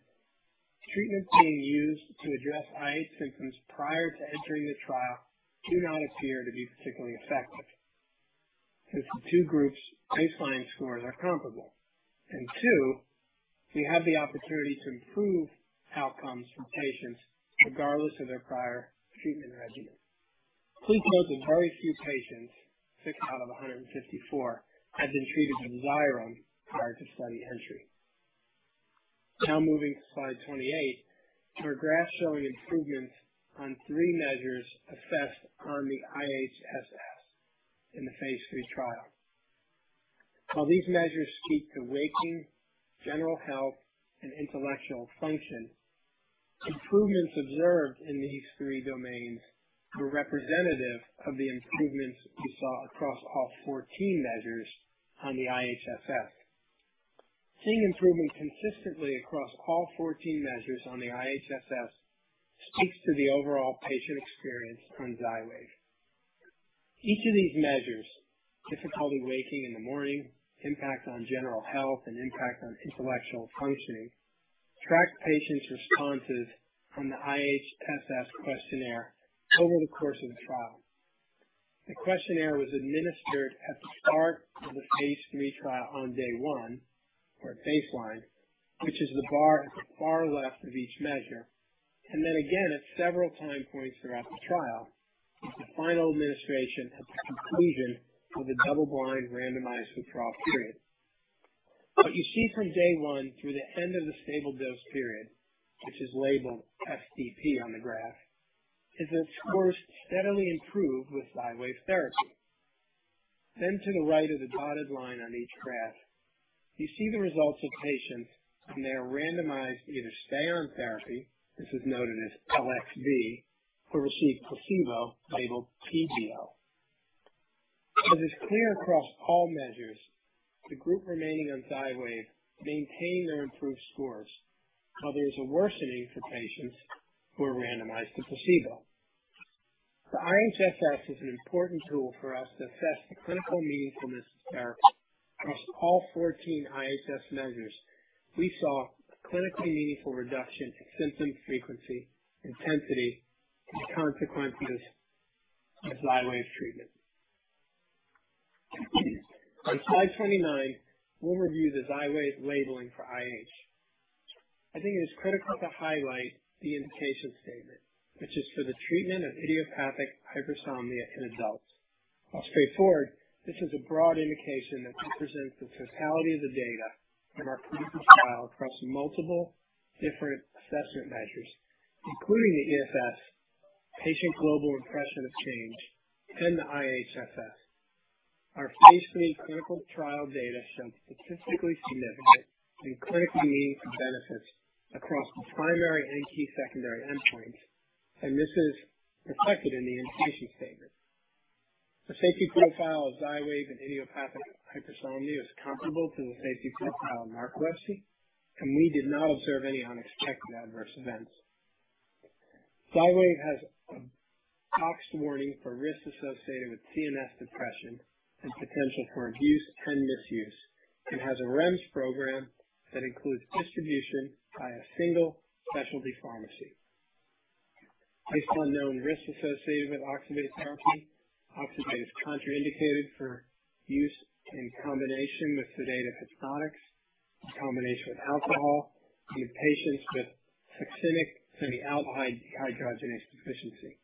treatments being used to address IH symptoms prior to entering the trial do not appear to be particularly effective since the two groups' baseline scores are comparable, and two, we have the opportunity to improve outcomes for patients regardless of their prior treatment regimen. Please note that very few patients, six out of 154, had been treated with Xyrem prior to study entry. Now moving to slide 28, there are graphs showing improvements on three measures assessed on the IHSS in the phase III trial. While these measures speak to waking, general health, and intellectual function, improvements observed in these three domains were representative of the improvements we saw across all 14 measures on the IHSS. Seeing improvement consistently across all 14 measures on the IHSS speaks to the overall patient experience on Xywav. Each of these measures, difficulty waking in the morning, impact on general health, and impact on intellectual functioning, tracked patients' responses on the IHSS questionnaire over the course of the trial. The questionnaire was administered at the start of the phase III trial on day one, or at baseline, which is the bar at the far left of each measure, and then again at several time points throughout the trial, with the final administration at the conclusion of the double-blind randomized withdrawal period. What you see from day one through the end of the stable dose period, which is labeled SDP on the graph, is that scores steadily improved with Xywav therapy. Then to the right of the dotted line on each graph, you see the results of patients when they are randomized to either stay on therapy, this is noted as Xywav, or receive placebo labeled PBO. As is clear across all measures, the group remaining on Xywav maintained their improved scores, while there is a worsening for patients who are randomized to placebo. The IHSS is an important tool for us to assess the clinical meaningfulness of therapy across all 14 IHSS measures. We saw a clinically meaningful reduction in symptom frequency, intensity, and consequences of Xywav treatment. On slide 29, we'll review the Xywav labeling for IH. I think it is critical to highlight the indication statement, which is for the treatment of Idiopathic Hypersomnia in adults. While straightforward, this is a broad indication that represents the totality of the data from our previous trial across multiple different assessment measures, including Patient Global Impression of Change, and the IHSS. Our phase III clinical trial data showed statistically significant and clinically meaningful benefits across the primary and key secondary endpoints, and this is reflected in the indication statement. The safety profile of Xywav in idiopathic hypersomnia is comparable to the safety profile of Xywav, and we did not observe any unexpected adverse events. Xywav has a boxed warning for risk associated with CNS depression and potential for abuse and misuse, and has a REMS program that includes distribution by a single specialty pharmacy. Based on known risk associated with oxybate, oxybate is contraindicated for use in combination with sedative hypnotics, in combination with alcohol, and in patients with succinic semialdehyde dehydrogenase deficiency.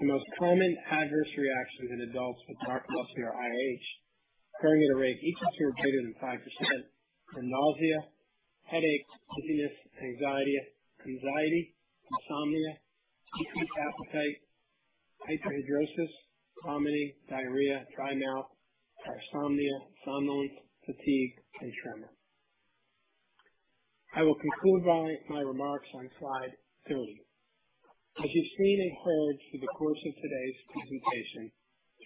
The most common adverse reactions in adults with narcolepsy or IH occurring at a rate of 2% or greater than 5% are nausea, headache, dizziness, anxiety, insomnia, decreased appetite, hyperhidrosis, vomiting, diarrhea, dry mouth, parasomnia, somnolence, fatigue, and tremor. I will conclude my remarks on slide 30. As you've seen and heard through the course of today's presentation,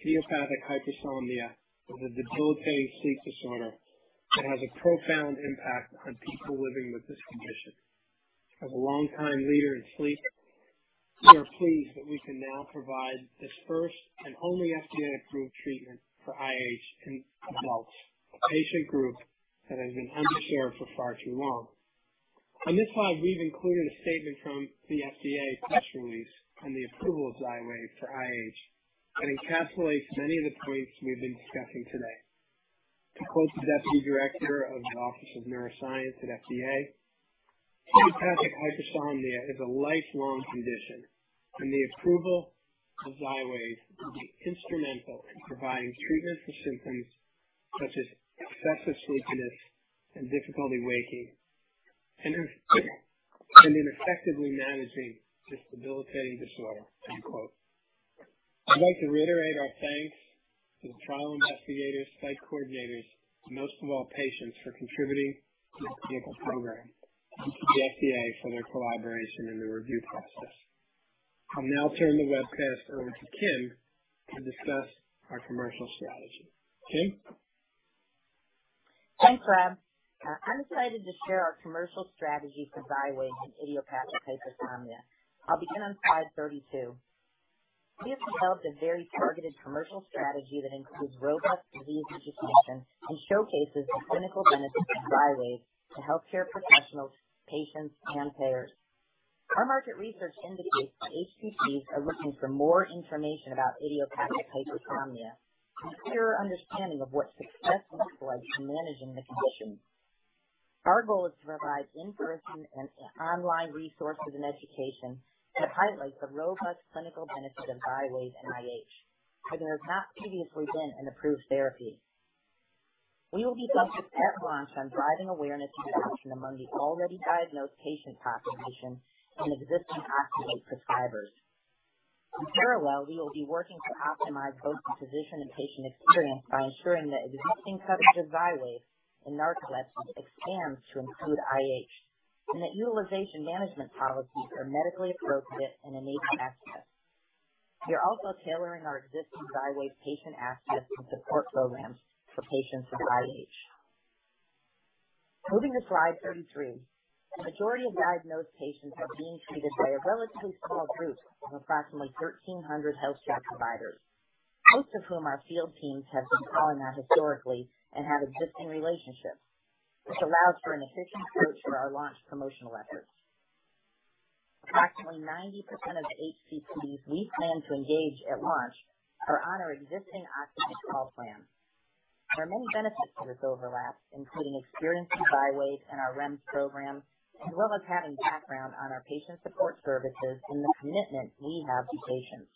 Idiopathic Hypersomnia is a debilitating sleep disorder that has a profound impact on people living with this condition. As a longtime leader in sleep, we are pleased that we can now provide this first and only FDA-approved treatment for IH in adults, a patient group that has been underserved for far too long. On this slide, we've included a statement from the FDA press release on the approval of Xywav for IH that encapsulates many of the points we've been discussing today. To quote the Deputy Director of the Office of Neuroscience at FDA, "Idiopathic Hypersomnia is a lifelong condition, and the approval of Xywav will be instrumental in providing treatment for symptoms such as excessive sleepiness and difficulty waking, and in effectively managing this debilitating disorder." I'd like to reiterate our thanks to the trial investigators, site coordinators, and most of all, patients, for contributing to the clinical program, and to the FDA for their collaboration in the review process. I'll now turn the webcast over to Kim to discuss our commercial strategy. Kim? Thanks, Rob. I'm excited to share our commercial strategy Xywav in idiopathic hypersomnia. i'll begin on slide 32. We have developed a very targeted commercial strategy that includes robust disease registration and showcases the clinical benefits of Xywav to healthcare professionals, patients, and payers. Our market research indicates that HCPs are looking for more information about Idiopathic Hypersomnia and a clearer understanding of what success looks like in managing the condition. Our goal is to provide in-person and online resources and education that highlight the robust clinical benefit of Xywav for IH, where there has not previously been an approved therapy. We will be focused at launch on driving awareness and action among the already diagnosed patient population and existing oxybate prescribers. In parallel, we will be working to optimize both the physician and patient experience by ensuring that existing coverage of Xywav for narcolepsy expands to include IH, and that utilization management policies are medically appropriate and enable access. We are also tailoring our existing Xywav patient access and support programs for patients with IH. Moving to slide 33, the majority of diagnosed patients are being treated by a relatively small group of approximately 1,300 healthcare providers, most of whom our field teams have been calling on historically and have existing relationships, which allows for an efficient approach for our launch promotional efforts. Approximately 90% of the HCPs we plan to engage at launch are on our existing oxybate call plan. There are many benefits to this overlap, including experiencing Xywav and our REMS program, as well as having background on our patient support services and the commitment we have to patients.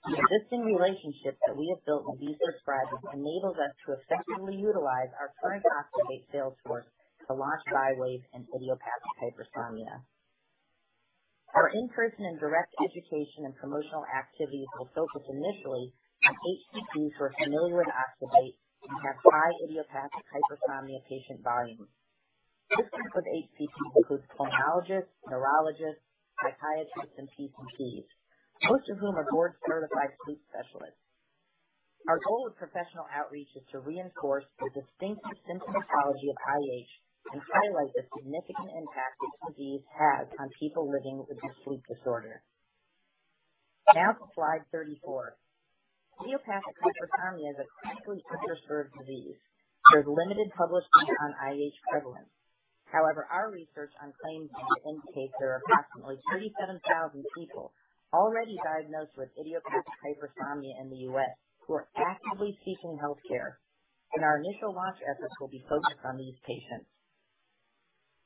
The existing relationships that we have built with these prescribers enables us to effectively utilize our current oxybate sales force to Xywav in idiopathic hypersomnia. our in-person and direct education and promotional activities will focus initially on HCPs who are familiar with oxybate and have high Idiopathic Hypersomnia patient volumes. The group of HCPs includes pulmonologists, neurologists, psychiatrists, and PCPs, most of whom are board-certified sleep specialists. Our goal with professional outreach is to reinforce the distinctive symptomatology of IH and highlight the significant impact this disease has on people living with this sleep disorder. Now to slide 34. Idiopathic Hypersomnia is a critically underserved disease. There is limited publication on IH prevalence. However, our research on claims data indicates there are approximately 37,000 people already diagnosed with Idiopathic Hypersomnia in the U.S. who are actively seeking healthcare, and our initial launch efforts will be focused on these patients.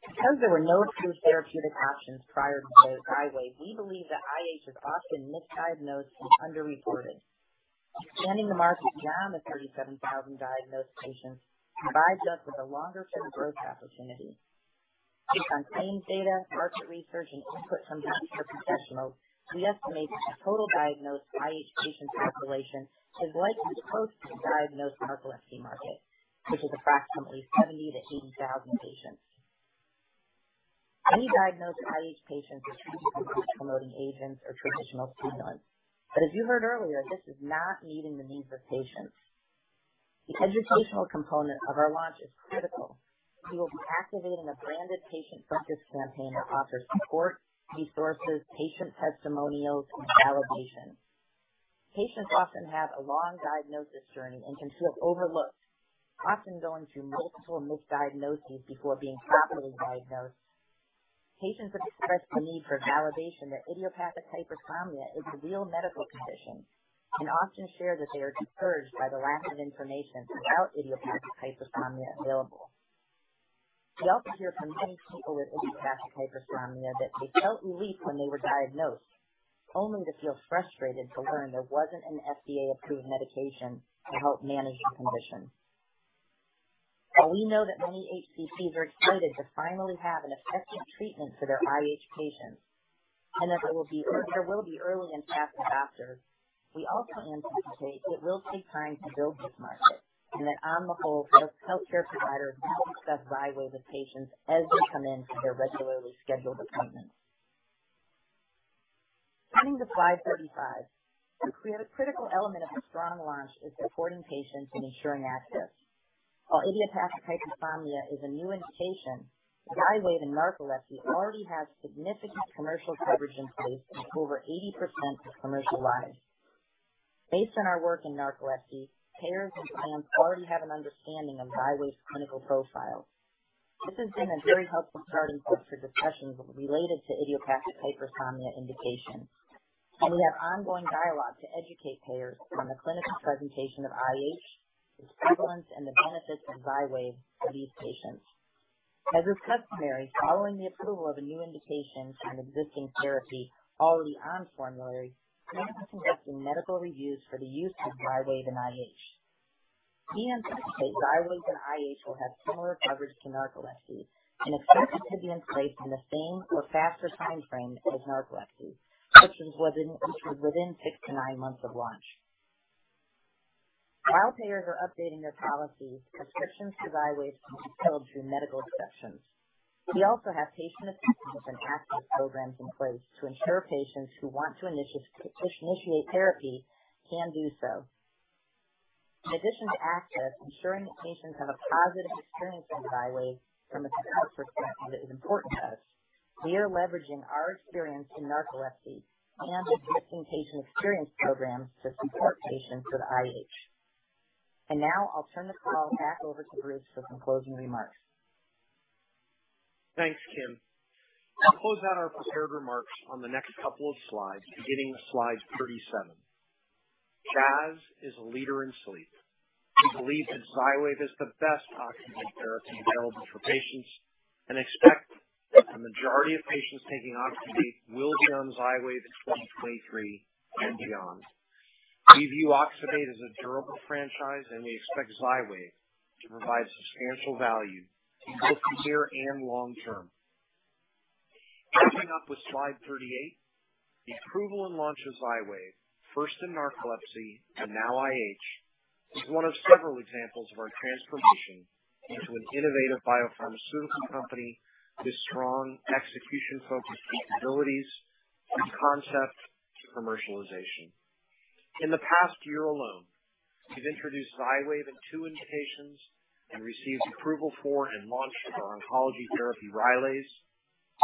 Because there were no approved therapeutic options prior to Xywav, we believe that IH is often misdiagnosed and underreported. Expanding the market beyond the 37,000 diagnosed patients provides us with a longer-term growth opportunity. Based on claims data, market research, and input from healthcare professionals, we estimate that the total diagnosed IH patient population is likely close to the diagnosed narcolepsy market, which is approximately 70,000-80,000 patients. Many diagnosed IH patients refuse to use sleep-promoting agents or traditional stimulants, but as you heard earlier, this is not meeting the needs of patients. The educational component of our launch is critical. We will be activating a branded patient-focused campaign that offers support, resources, patient testimonials, and validation. Patients often have a long diagnosis journey and can feel overlooked, often going through multiple misdiagnoses before being properly diagnosed. Patients have expressed the need for validation that Idiopathic Hypersomnia is a real medical condition and often share that they are discouraged by the lack of information about Idiopathic Hypersomnia available. We also hear from many people with Idiopathic Hypersomnia that they felt relief when they were diagnosed, only to feel frustrated to learn there wasn't an FDA-approved medication to help manage the condition. While we know that many HCPs are excited to finally have an effective treatment for their IH patients and that there will be early and fast adopters, we also anticipate it will take time to build this market and that, on the whole, healthcare providers will discuss Xywav with patients as they come in for their regularly scheduled appointments. Turning to slide 35, a critical element of a strong launch is supporting patients and ensuring access. While Idiopathic Hypersomnia is a new indication, Xywav in narcolepsy already have significant commercial coverage in place in over 80% of commercial lives. Based on our work in narcolepsy, payers and plans already have an understanding of Xywav's clinical profile. This has been a very helpful starting point for discussions related to Idiopathic Hypersomnia indications, and we have ongoing dialogue to educate payers on the clinical presentation of IH, its prevalence, and the benefits of Xywav for these patients. As is customary, following the approval of a new indication on existing therapy already on formulary, we are conducting medical reviews for the use of Xywav in IH. We anticipate Xywav in IH will have similar coverage to narcolepsy and expect it to be in place in the same or faster timeframe as narcolepsy, which was within 6-9 months of launch. While payers are updating their policies, prescriptions for Xywav can be filled through medical exceptions. We also have patient assistance and access programs in place to ensure patients who want to initiate therapy can do so. In addition to access, ensuring that patients have a positive experience with Xywav from a support perspective is important to us. We are leveraging our experience in narcolepsy and existing patient experience programs to support patients with IH. And now I'll turn the call back over to Bruce for some closing remarks. Thanks, Kim. I'll close out our prepared remarks on the next couple of slides, beginning with slide 37. Jazz is a leader in sleep. We believe that Xywav is the best oxybate therapy available for patients, and expect that the majority of patients taking oxybate will be on Xywav in 2023 and beyond. We view oxybate as a durable franchise, and we expect Xywav to provide substantial value both near and long term. Wrapping up with slide 38, the approval and launch of Xywav, first in narcolepsy and now IH, is one of several examples of our transformation into an innovative biopharmaceutical company with strong execution-focused capabilities, from concept to commercialization. In the past year alone, we've introduced Xywav in two indications and received approval for and launched our oncology therapy Rylaze,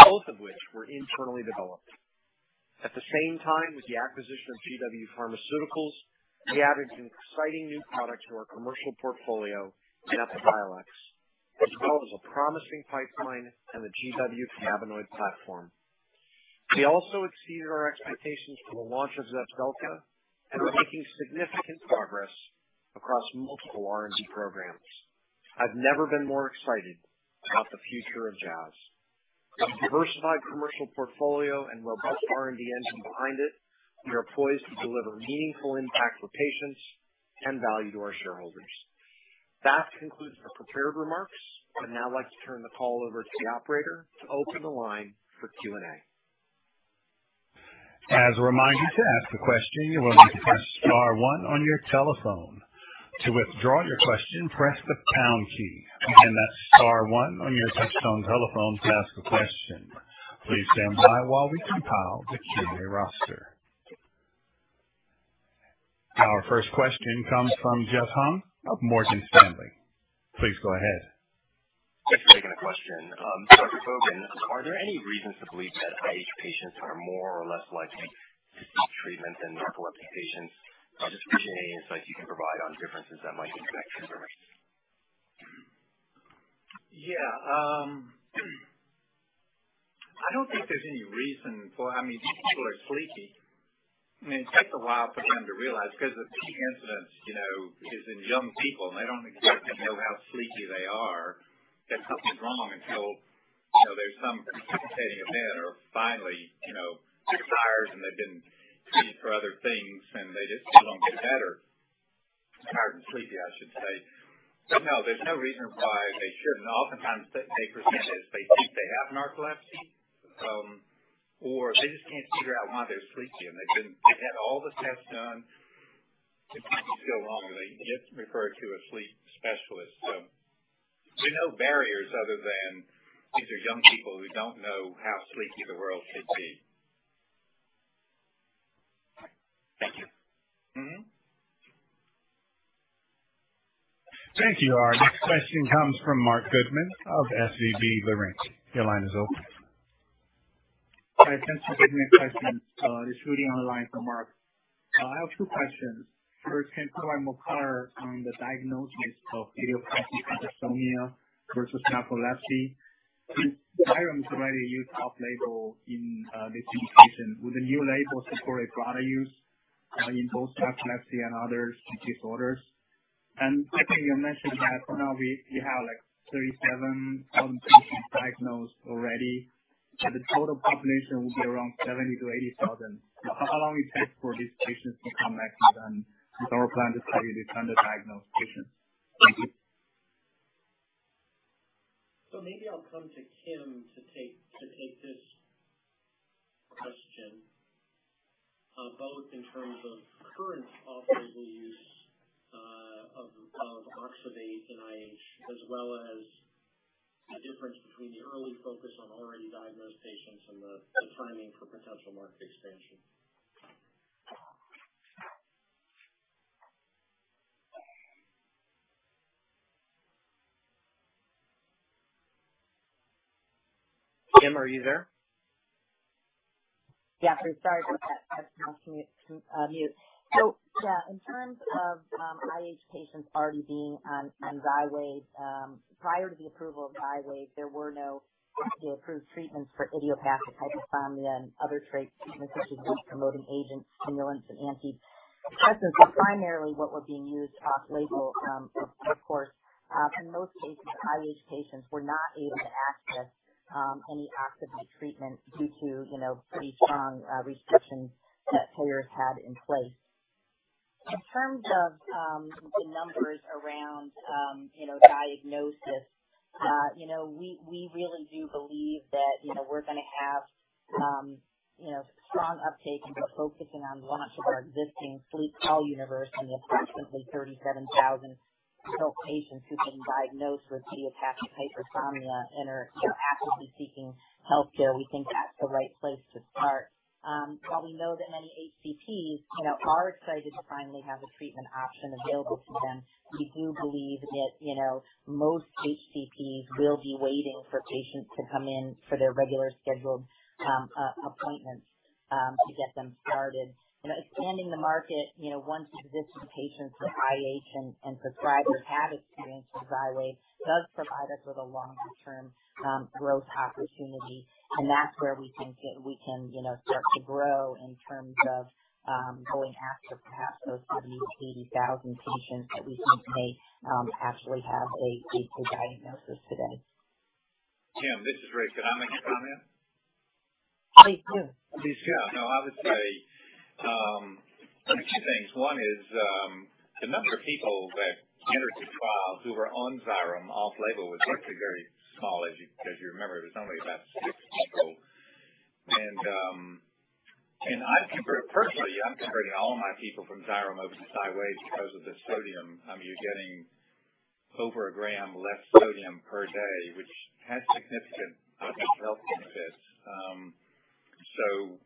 both of which were internally developed. At the same time with the acquisition of GW Pharmaceuticals, we added an exciting new product to our commercial portfolio, Epidiolex, as well as a promising pipeline and the GW cannabinoid platform. We also exceeded our expectations for the launch of Zepzelca and are making significant progress across multiple R&D programs. I've never been more excited about the future of Jazz. With a diversified commercial portfolio and robust R&D engine behind it, we are poised to deliver meaningful impact for patients and value to our shareholders. That concludes the prepared remarks. I'd now like to turn the call over to the operator to open the line for Q&A. As a reminder to ask a question, you will need to press star one on your telephone. To withdraw your question, press the pound key. Again, that's star one on your touch-tone telephone to ask a question. Please stand by while we compile the Q&A roster. Our first question comes from Jeff Hung of Morgan Stanley. Please go ahead. Thanks for taking the question. Dr. Bogan, are there any reasons to believe that IH patients are more or less likely to seek treatment than narcoleptic patients? I'd just appreciate any insight you can provide on differences that might impact prevalence. Yeah. I don't think there's any reason for, I mean, these people are sleepy. I mean, it takes a while for them to realize because the sleeping incidence is in young people, and they don't exactly know how sleepy they are that something's wrong until there's some precipitating event or finally they're tired and they've been treated for other things and they just don't get better. Tired and sleepy, I should say. But no, there's no reason why they shouldn't. Oftentimes, they present as they think they have narcolepsy, or they just can't figure out why they're sleepy and they've had all the tests done. It's taking so long, and they get referred to a sleep specialist. So there are no barriers other than these are young people who don't know how sleepy the world could be. Thank you. Thank you, Hung. Next question comes from Marc Goodman of SVB Leerink. Your line is open. Hi, thanks for taking the question. This is Rudy on the line from Marc. I have two questions. First, can you provide more color on the diagnosis of Idiopathic Hypersomnia versus narcolepsy? Since Xyrem is already a new off-label in this indication, would the new label support a broader use in both narcolepsy and other sleep disorders? And second, you mentioned that now we have like 37,000 patients diagnosed already, but the total population will be around 70,000-80,000. How long will it take for these patients to come back to us, and is our plan to tell you they've done the diagnosed patients? Thank you. So maybe I'll come to Kim to take this question, both in terms of current off-label use of oxybate and IH, as well as the difference between the early focus on already diagnosed patients and the timing for potential market expansion. Kim, are you there? Yeah, I'm sorry about that. That's now muted. So yeah, in terms of IH patients already being on Xywav, prior to the approval of Xywav, there were no FDA-approved treatments for Idiopathic Hypersomnia and other treatments, such as sleep-promoting agents, stimulants, and antidepressants. It's primarily what were being used off-label, of course. In most cases, IH patients were not able to access any oxybate treatment due to pretty strong restrictions that payers had in place. In terms of the numbers around diagnosis, we really do believe that we're going to have strong uptake and we're focusing on launch of our existing sleep call universe and the approximately 37,000 adult patients who've been diagnosed with Idiopathic Hypersomnia and are actively seeking healthcare. We think that's the right place to start. While we know that many HCPs are excited to finally have a treatment option available to them, we do believe that most HCPs will be waiting for patients to come in for their regular scheduled appointments to get them started. Expanding the market, once existing patients with IH and prescribers have experienced with Xywav, does provide us with a longer-term growth opportunity, and that's where we think that we can start to grow in terms of going after perhaps those 70,000-80,000 patients that we think may actually have a diagnosis today. Kim, this is Rick. Could I make a comment? Please do. No, I would say a few things. One is the number of people that entered the trial who were on Xyrem off-label was actually very small, as you remember. It was only about six people. And I'm converting personally. I'm converting all my people from Xyrem over to Xywav because of the sodium. I mean, you're getting over a gram less sodium per day, which has significant health benefits. So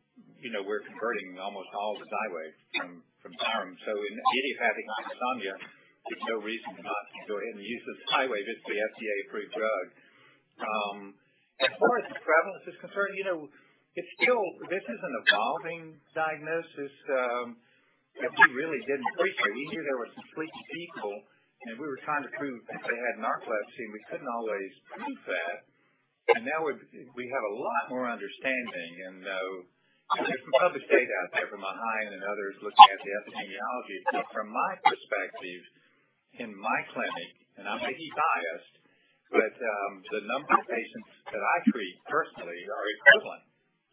we're converting almost all to Xywav from Xywav. So in Idiopathic Hypersomnia, there's no reason to not go ahead and use this Xywav. It's the FDA-approved drug. As far as the prevalence is concerned, it's still. This is an evolving diagnosis that we really didn't appreciate. We knew there were some sleepy people, and we were trying to prove that they had narcolepsy. We couldn't always prove that. And now we have a lot more understanding. And there's some public data out there from Ohayon and others looking at the epidemiology. But from my perspective in my clinic, and I may be biased, but the number of patients that I treat personally are equivalent.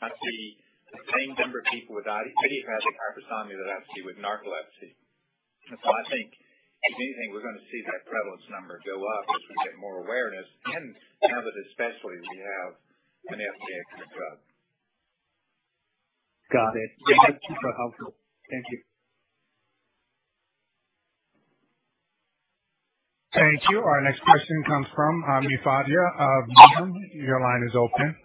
I see the same number of people with Idiopathic Hypersomnia that I see with narcolepsy. And so I think, if anything, we're going to see that prevalence number go up as we get more awareness and have a specialty. We have an FDA-approved drug. Got it. That's super helpful. Thank you. Thank you. Our next question comes from Ami Fadia of Needham. Your line is open.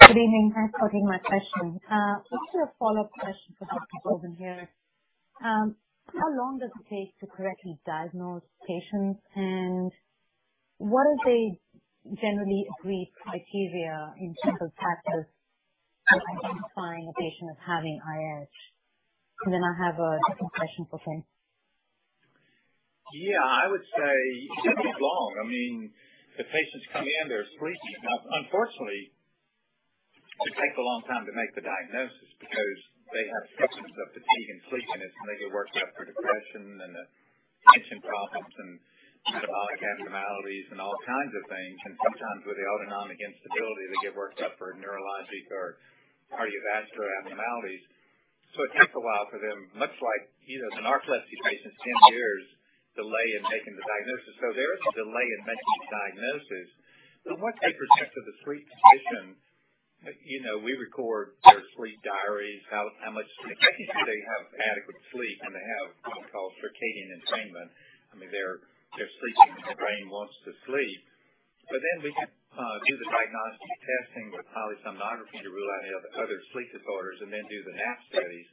Good evening. I'm just quoting my question. Just a follow-up question for Dr. Bogan here. How long does it take to correctly diagnose patients, and what are the generally agreed criteria in clinical practice for identifying a patient as having IH, and then I have a different question for Kim? Yeah. I would say it takes long. I mean, the patients come in, they're sleepy. Now, unfortunately, it takes a long time to make the diagnosis because they have symptoms of fatigue and sleepiness, and they get worked up for depression and attention problems and metabolic abnormalities and all kinds of things, and sometimes with the autonomic instability, they get worked up for neurologic or cardiovascular abnormalities, so it takes a while for them, much like the narcolepsy patients, 10 years delay in making the diagnosis, so there is a delay in making the diagnosis, but once they present to the sleep physician, we record their sleep diaries, how much. Making sure they have adequate sleep and they have what we call circadian entrainment. I mean, their sleeping brain wants to sleep. But then we can do the diagnostic testing with polysomnography to rule out any other sleep disorders and then do the NAP studies.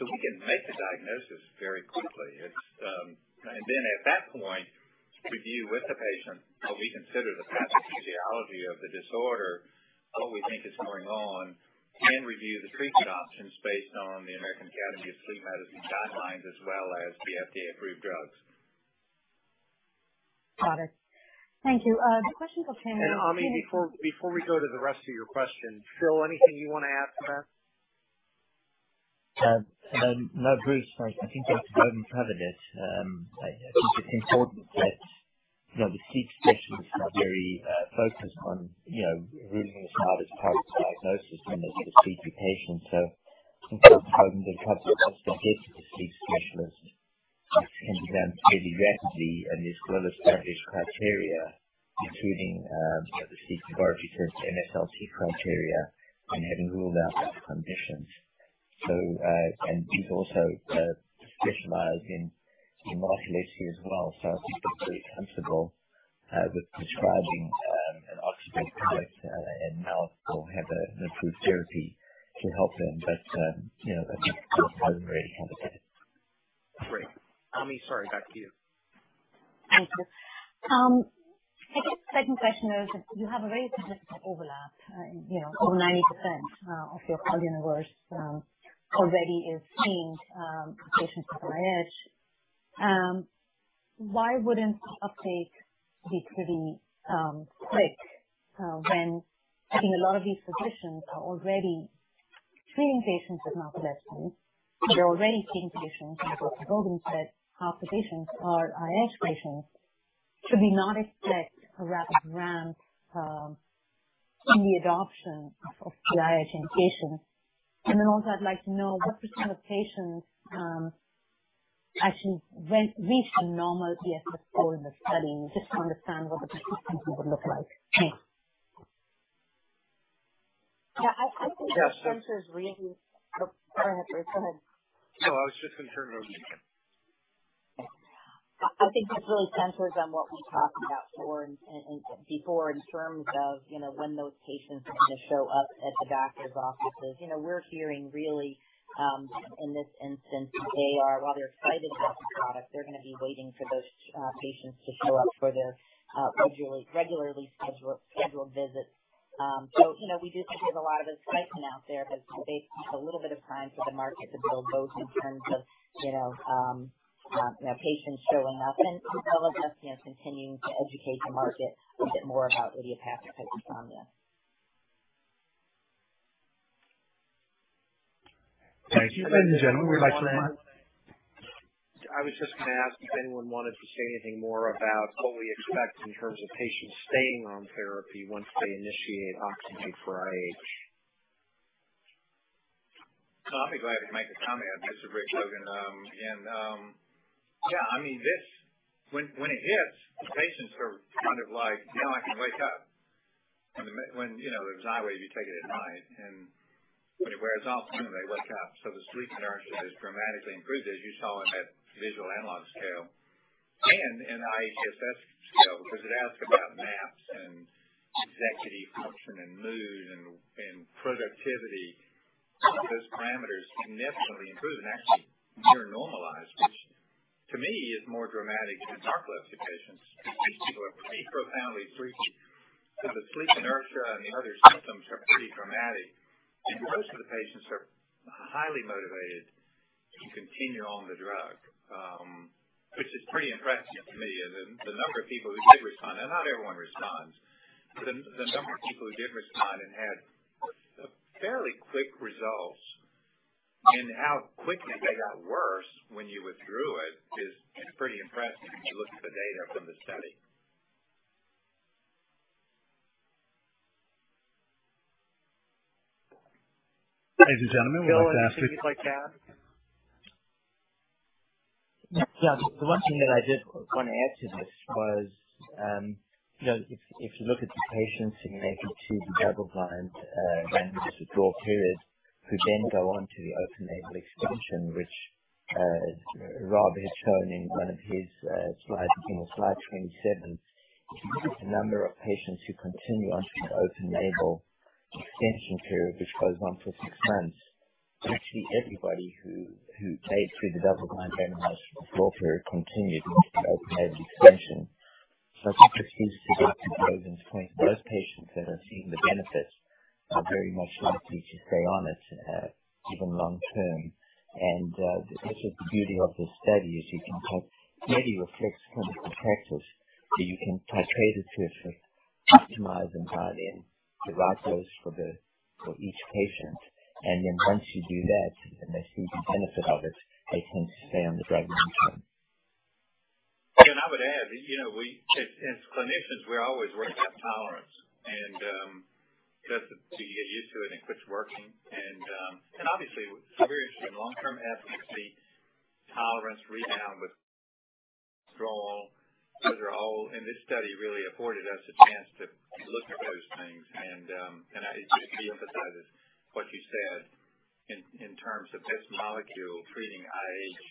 So we can make the diagnosis very quickly. And then at that point, review with the patient what we consider the pathophysiology of the disorder, what we think is going on, and review the treatment options based on the American Academy of Sleep Medicine guidelines as well as the FDA-approved drugs. Got it. Thank you. The questions are pending. And Ami, before we go to the rest of your questions, Phil, anything you want to add to that? No, Bruce, I think Dr. Bogan covered it. I think it's important that the sleep specialists are very focused on ruling this out as part of the diagnosis when they see the sleepy patient. So I think Dr. Bogan did a good job to get to the sleep specialist. This can be done fairly rapidly and is well-established criteria, including the sleep laboratory tests, the MSLT criteria, and having ruled out other conditions. And he's also specialized in narcolepsy as well. So I think they're very comfortable with prescribing an oxybate product and now will have an approved therapy to help them. But I think Dr. Bogan already covered that. Great. Ami, sorry, back to you. Thank you. I guess the second question is you have a very significant overlap. Over 90% of your call universe already is seeing patients with IH. Why wouldn't the uptake be pretty quick when I think a lot of these physicians are already treating patients with narcolepsy? They're already seeing patients. And Dr. Bogan said half the patients are IH patients. Should we not expect a rapid ramp in the adoption of the IH indication? And then also, I'd like to know what percentage of patients actually reached a normal ESS score in the study? Just to understand what the percentage would look like. Thanks. Yeah. I think the consensus really—oh, go ahead, Bruce. Go ahead. No, I was just concerned over the— I think this really centers on what we talked about before in terms of when those patients are going to show up at the doctor's offices. We're hearing really in this instance that they are, while they're excited about the product, they're going to be waiting for those patients to show up for their regularly scheduled visits. So we do think there's a lot of excitement out there because they have a little bit of time for the market to build both in terms of patients showing up and as well as us continuing to educate the market a bit more about Idiopathic Hypersomnia. Thank you. And Jen, would you like to add? I was just going to ask if anyone wanted to say anything more about what we expect in terms of patients staying on therapy once they initiate oxybate for IH. I'll be glad if you make a comment. This is Rick Bogan again. Yeah. I mean, when it hits, the patients are kind of like, "Now I can wake up." When there's IH, you take it at night. And when it wears off, they wake up. So the sleepiness is dramatically improved, as you saw in that Visual Analog Scale and in IHSS scale because it asked about naps and executive function and mood and productivity. Those parameters significantly improved and actually near normalized, which to me is more dramatic than narcolepsy patients because these people are pretty profoundly sleepy. So the sleep inertia and the other symptoms are pretty dramatic. And most of the patients are highly motivated to continue on the drug, which is pretty impressive to me. And the number of people who did respond, and not everyone responds, but the number of people who did respond and had fairly quick results. And how quickly they got worse when you withdrew it is pretty impressive if you look at the data from the study. Thank you, gentlemen. Iannone, anything you'd like to add? Yeah. The one thing that I did want to add to this was if you look at the patients who make it to the double-blind random withdrawal period, who then go on to the open-label extension, which Rob had shown in one of his slides, in slide 27. If you look at the number of patients who continue on to the open-label extension period, which goes on for six months, actually everybody who made it through the double-blind randomized withdrawal period continued with the open-label extension. So I think this leads to this conclusion: those patients that are seeing the benefits are very much likely to stay on it even long-term. And this is the beauty of this study really reflects clinical practice. So you can titrate it to optimize and dial in the right dose for each patient. And then once you do that and they see the benefit of it, they tend to stay on the drug long-term. And I would add, as clinicians, we're always working on tolerance. And it doesn't. You get used to it and it quits working. And obviously, it's very interesting. Long-term efficacy, tolerance, rebound withdrawal, those are all, and this study really afforded us a chance to look at those things. And I just reemphasize what you said in terms of this molecule treating IH.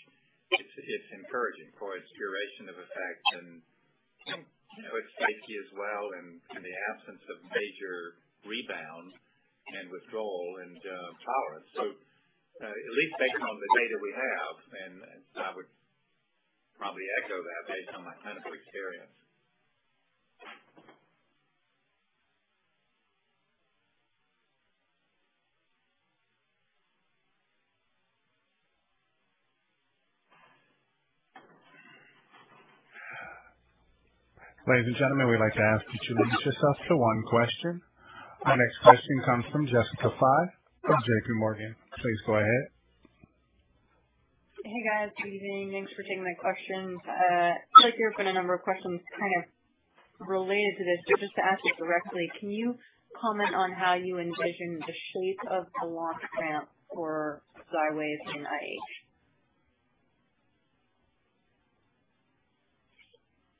It's encouraging for its duration of effect and its safety as well and the absence of major rebound and withdrawal and tolerance. At least based on the data we have, and I would probably echo that based on my clinical experience. Ladies and gentlemen, we'd like to ask you to limit yourselves to one question. Our next question comes from Jessica Fye of J.P. Morgan. Please go ahead. Hey, guys. Good evening. Thanks for taking my questions. I feel like there have been a number of questions kind of related to this. But just to ask you directly, can you comment on how you envision the shape of the long-term for Xywav in IH?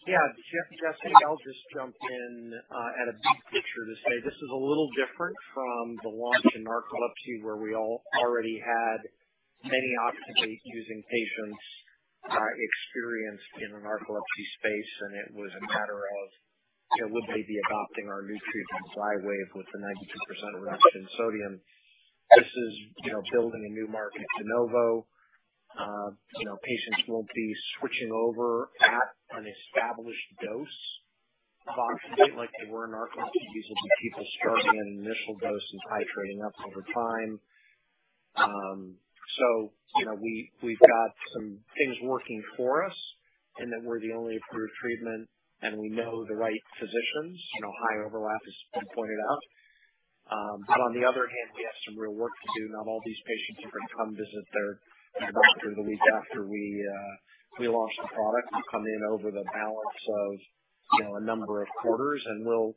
Yeah. Jessica, I'll just jump in at a big picture to say this is a little different from the launch in narcolepsy where we already had many oxybate using patients experienced in a narcolepsy space. And it was a matter of, would they be adopting our new treatment, Xywav, with the 92% reduction in sodium? This is building a new market to IH. Patients won't be switching over at an established dose of oxybate like they were in narcolepsy. These will be people starting at an initial dose and titrating up over time. So we've got some things working for us and that we're the only approved treatment and we know the right physicians. High overlap has been pointed out. But on the other hand, we have some real work to do. Not all these patients are going to come visit their doctor the week after we launch the product. We'll come in over the balance of a number of quarters. And we'll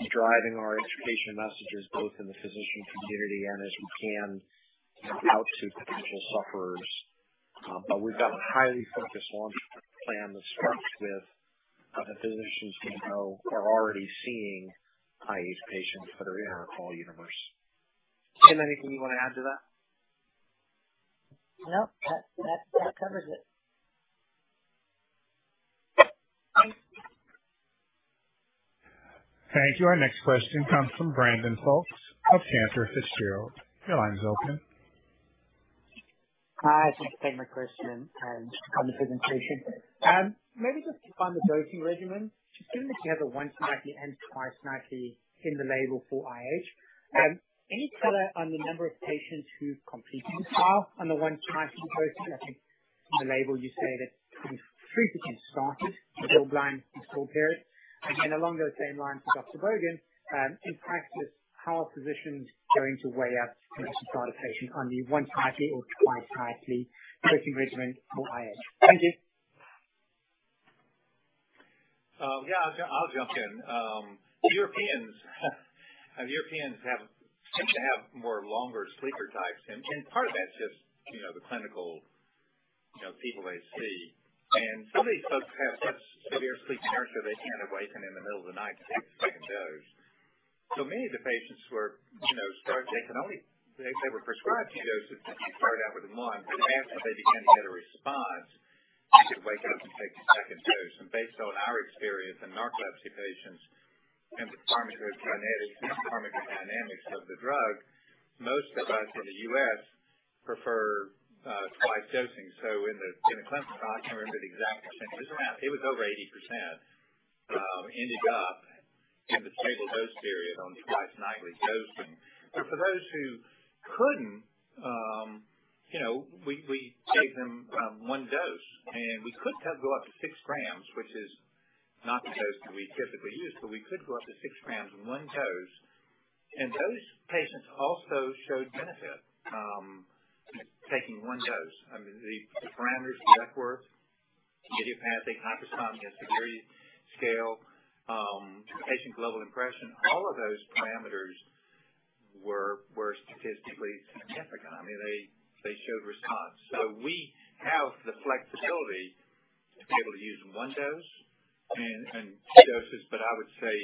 be driving our education messages both in the physician community and as we can out to potential sufferers. But we've got a highly focused launch plan that starts with the physicians who are already seeing IH patients that are in our call universe. Is there anything you want to add to that? Nope. That covers it. Thank you. Our next question comes from Brandon Folkes of Cantor Fitzgerald. Your line is open. Hi. Thank you for taking my question and the presentation. Maybe just keep on the dosing regimen, just given that you have the once-nightly and twice-nightly in the label for IH. Any color on the number of patients who've completed the trial on the once-nightly dosing? I think in the label you say that three patients started the double-blind withdrawal period. Again, along those same lines with Dr. Bogan, in practice, how are physicians going to weigh up to start a patient on the once-nightly or twice-nightly dosing regimen for IH? Thank you. Yeah. I'll jump in. Europeans tend to have more longer sleeper types, and part of that's just the clinical people they see, and some of these folks have such severe sleepiness that they can't awaken in the middle of the night to take the second dose. So many of the patients were started. They were prescribed two doses and started out with one, but after they began to get a response, they could wake up and take the second dose, and based on our experience in narcolepsy patients and the pharmacokinetics and pharmacodynamics of the drug, most of us in the U.S. prefer twice dosing. So in the clinical trial, I can't remember the exact percentage, it was over 80% ended up in the stable dose period on twice-nightly dosing, but for those who couldn't, we gave them one dose. And we could go up to six grams, which is not the dose that we typically use. But we could go up to six grams in one dose. And those patients also showed benefit taking one dose. I mean, the parameters, Epworth, Idiopathic Hypersomnia severity Patient Global Impression, all of those parameters were statistically significant. I mean, they showed response. So we have the flexibility to be able to use one dose and two doses. But I would say,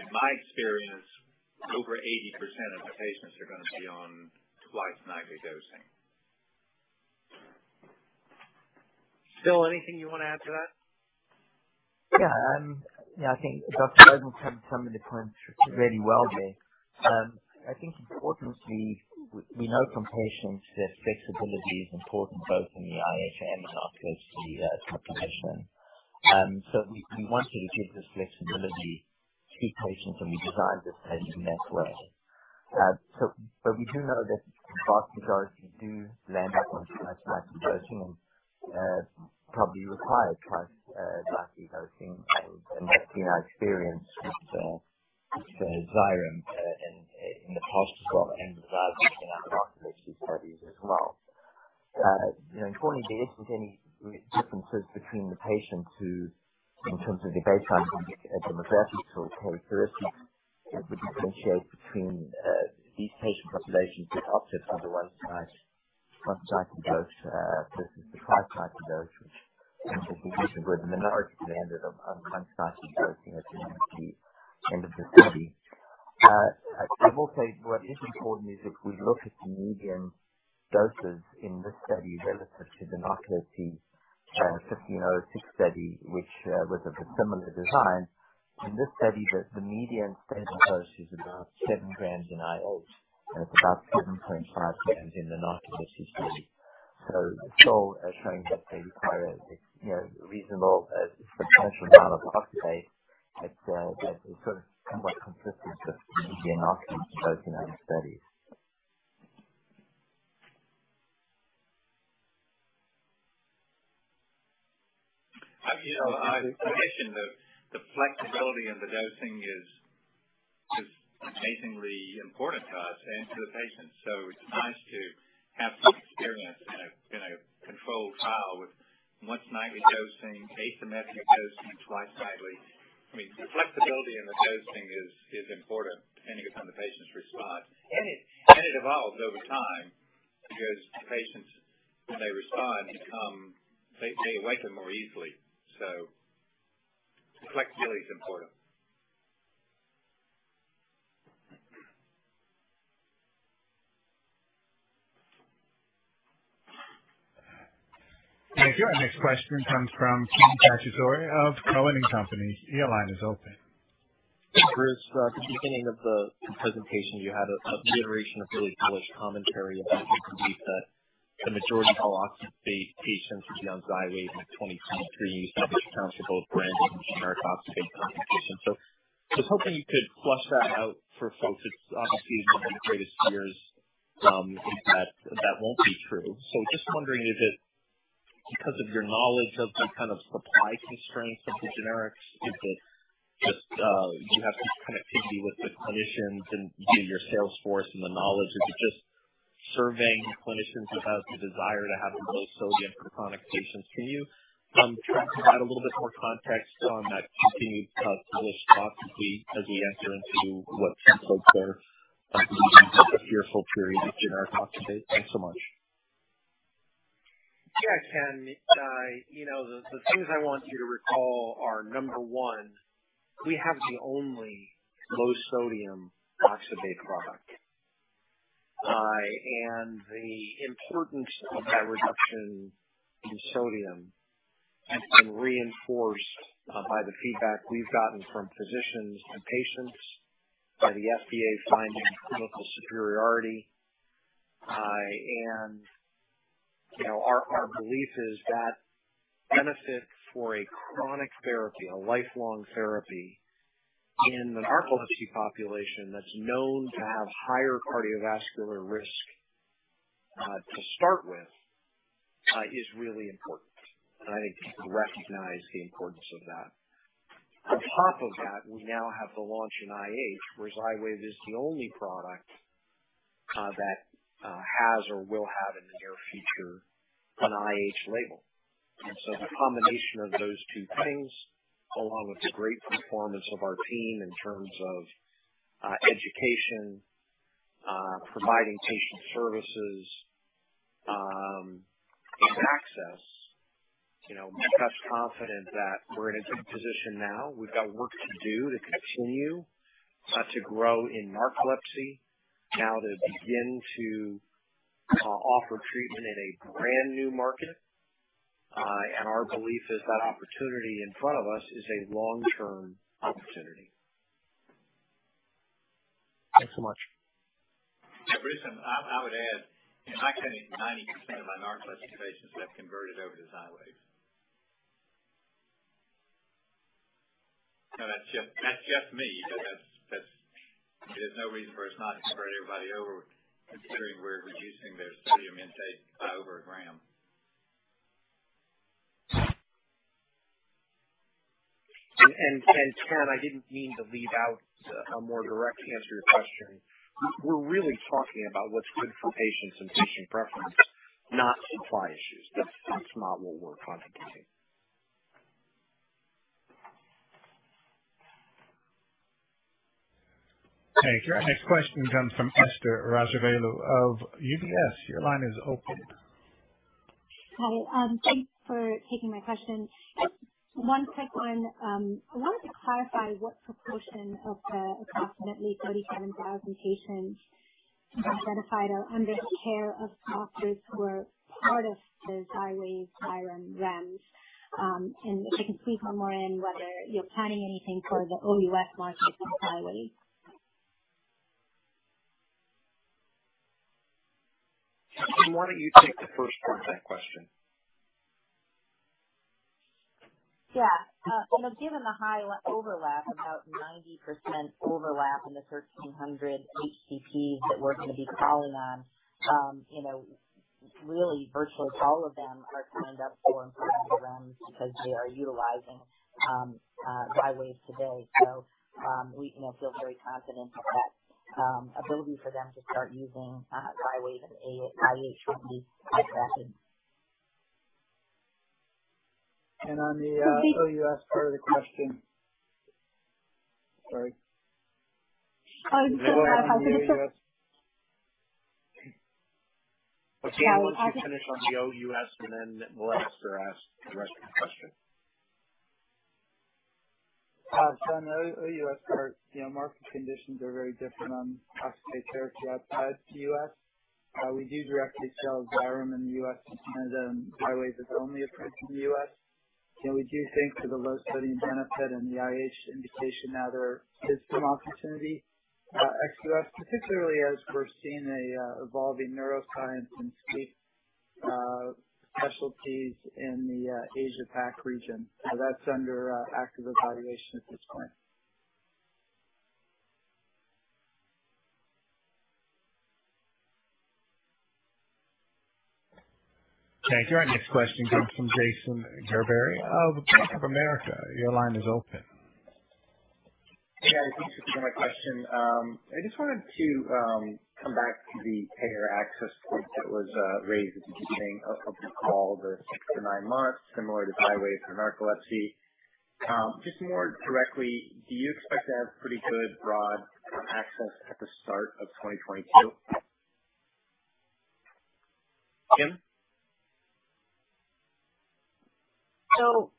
in my experience, over 80% of the patients are going to be on twice-nightly dosing. Phil, anything you want to add to that? Yeah. I think Dr. Bogan covered some of the points really well. I think importantly, we know from patients that flexibility is important both in the IH and in narcolepsy population. So we wanted to give this flexibility to patients, and we designed this product in that way. But we do know that the vast majority do end up on twice-nightly dosing and probably require twice-nightly dosing. And that's been our experience with Xyrem in the past as well and with our narcolepsy studies as well. Importantly, there isn't any differences between the patients who, in terms of their baseline demographics or characteristics, would differentiate between these patient populations that opted for the once-nightly dose versus the twice-nightly dose, which is the reason why the minority landed on once-nightly dosing at the end of the study. I will say what is important is if we look at the median doses in this study relative to the narcolepsy 1506 study, which was of a similar design. In this study, the median standard dose is about 7 g in IH, and it's about 7.5 g in the narcolepsy study. So it's all showing that they require a reasonable substantial amount of oxybate that is sort of somewhat consistent with the median narcolepsy dosing in these studies. I mentioned the flexibility in the dosing is amazingly important to us and to the patients. So it's nice to have some experience in a controlled trial with once-nightly dosing, asymmetric dosing, twice-nightly. I mean, the flexibility in the dosing is important depending upon the patient's response. And it evolves over time because the patients, when they respond, they awaken more easily. So the flexibility is important. Thank you. Our next question comes from Ken Cacciatore of Cowen and Company. Your line is open. Bruce, at the beginning of the presentation, you had a reiteration of really bullish commentary about the majority of all oxybate patients would be on Xywav 2023. You said this accounts for both brand and generic oxybate concentration. So I was hoping you could flesh that out for folks. It's obviously one of the greatest fears that that won't be true. So just wondering, is it because of your knowledge of the kind of supply constraints of the generics? Is it just you have some connectivity with the clinicians and your sales force and the knowledge? Is it just surveying clinicians about the desire to have the low sodium for chronic patients? Can you try to provide a little bit more context on that continued bullish thought as we enter into what folks are believing is a fearful period with generic oxybate? Thanks so much. Yeah, Ken. The things I want you to recall are, number one, we have the only low-sodium oxybate product. The importance of that reduction in sodium has been reinforced by the feedback we've gotten from physicians and patients, by the FDA finding clinical superiority. Our belief is that benefit for a chronic therapy, a lifelong therapy in the narcolepsy population that's known to have higher cardiovascular risk to start with is really important. I think people recognize the importance of that. On top of that, we now have the launch in IH, where Xywav is the only product that has or will have in the near future an IH label. The combination of those two things, along with the great performance of our team in terms of education, providing patient services, and access, makes us confident that we're in a good position now. We've got work to do to continue to grow in narcolepsy, now to begin to offer treatment in a brand new market. And our belief is that opportunity in front of us is a long-term opportunity. Thanks so much. Yeah. Bruce, I would add, in my clinic, 90% of our narcolepsy patients have converted over to Xywav. Now, that's just me. There's no reason for us not to convert everybody over, considering we're reducing their sodium intake by over a gram. And Ken, I didn't mean to leave out a more direct answer to your question. We're really talking about what's good for patients and patient preference, not supply issues. That's not what we're contemplating. Thank you. Our next question comes from Esther Rajavelu of UBS. Your line is open. Hi. Thanks for taking my question. One quick one. I wanted to clarify what proportion of the approximately 37,000 patients identified are under the care of doctors who are part of the Xywav REMS. And if they can squeeze one more in, whether you're planning anything for the OUS market with Xywav. Why don't you take the first part of that question? Yeah. Given the high overlap, about 90% overlap in the 1,300 HCPs that we're going to be calling on, really, virtually all of them are signed up for REMS because they are utilizing Xywav today. So we feel very confident that ability for them to start using Xywav in IH will be quite rapid. And on the OUS part of the question, sorry. I was just going to clarify. So the OUS. Okay. We'll finish on the OUS, and then we'll ask the rest of the question. So on the OUS part, market conditions are very different on oxybate therapy outside the U.S.. We do directly sell Xyrem in the U.S. and Canada, and Xywav is only approved in the U.S.. We do think for the low-sodium benefit and the IH indication, now there is some opportunity at XUS, particularly as we're seeing an evolving neuroscience and sleep specialties in the Asia-Pac region. So that's under active evaluation at this point. Thank you. Our next question comes from Jason Gerberry of Bank of America. Your line is open. Hey, guys. Thanks for taking my question. I just wanted to come back to the payer access point that was raised at the beginning of the call, the 6-9 months, similar to Xywav for narcolepsy. Just more directly, do you expect to have pretty good broad access at the start of 2022? Kim? So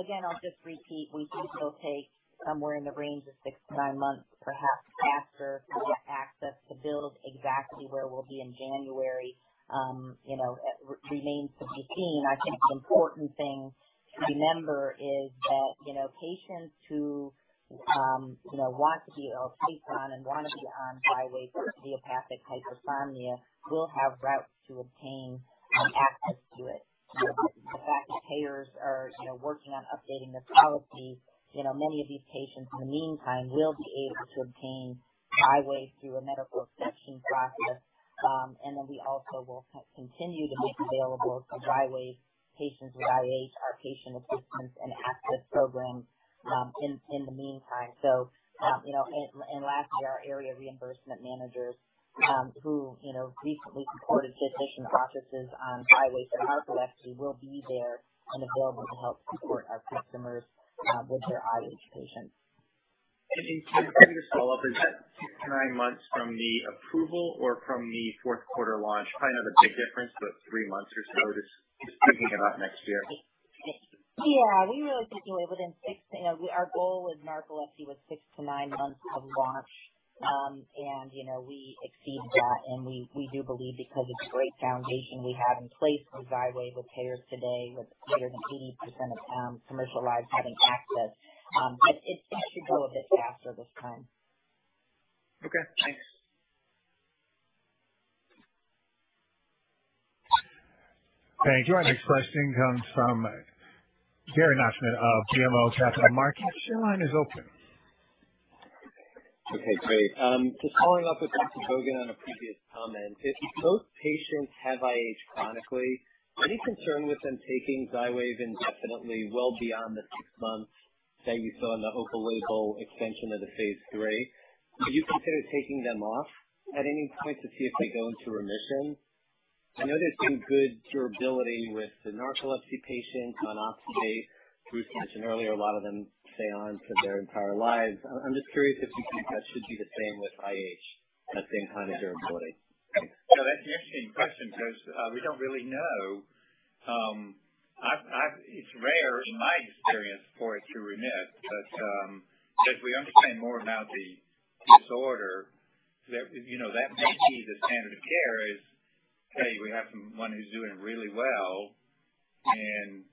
again, I'll just repeat. We do still take somewhere in the range of 6-9 months, perhaps after, to get access to build exactly where we'll be in January. It remains to be seen. I think the important thing to remember is that patients who want to be or are placed on and want to be on Xywav for Idiopathic Hypersomnia will have routes to obtain access to it. The fact that payers are working on updating their policy, many of these patients, in the meantime, will be able to obtain Xywav through a medical exception process. And then we also will continue to make available to Xywav patients with IH our patient assistance and access program in the meantime. So and lastly, our area reimbursement managers who recently supported physician offices on Xywav for narcolepsy will be there and available to help support our customers with their IH patients. And Ken, just to follow up, is that 6-9 months from the approval or from the fourth quarter launch? Probably not a big difference, but three months or so just thinking about next year. Yeah. We really think within six, our goal with narcolepsy was 6-9 months of launch. And we exceeded that. And we do believe because of the great foundation we have in place with Xywav with payers today, with greater than 80% of commercial lives having access, that it should go a bit faster this time. Okay. Thanks. Thank you. Our next question comes from Gary Nachman of BMO Capital Markets. Your line is open. Okay. Great. Just following up with Dr. Bogan on a previous comment. If both patients have IH chronically, any concern with them taking Xywav indefinitely well beyond the six months that you saw in the open-label extension of the phase III? Would you consider taking them off at any point to see if they go into remission? I know there's been good durability with the narcolepsy patients on oxybate. Bruce mentioned earlier, a lot of them stay on for their entire lives. I'm just curious if you think that should be the same with IH, that same kind of durability. Yeah. That's an interesting question because we don't really know. It's rare, in my experience, for it to remit. But as we understand more about the disorder, that may be the standard of care is, "Hey, we have someone who's doing really well, and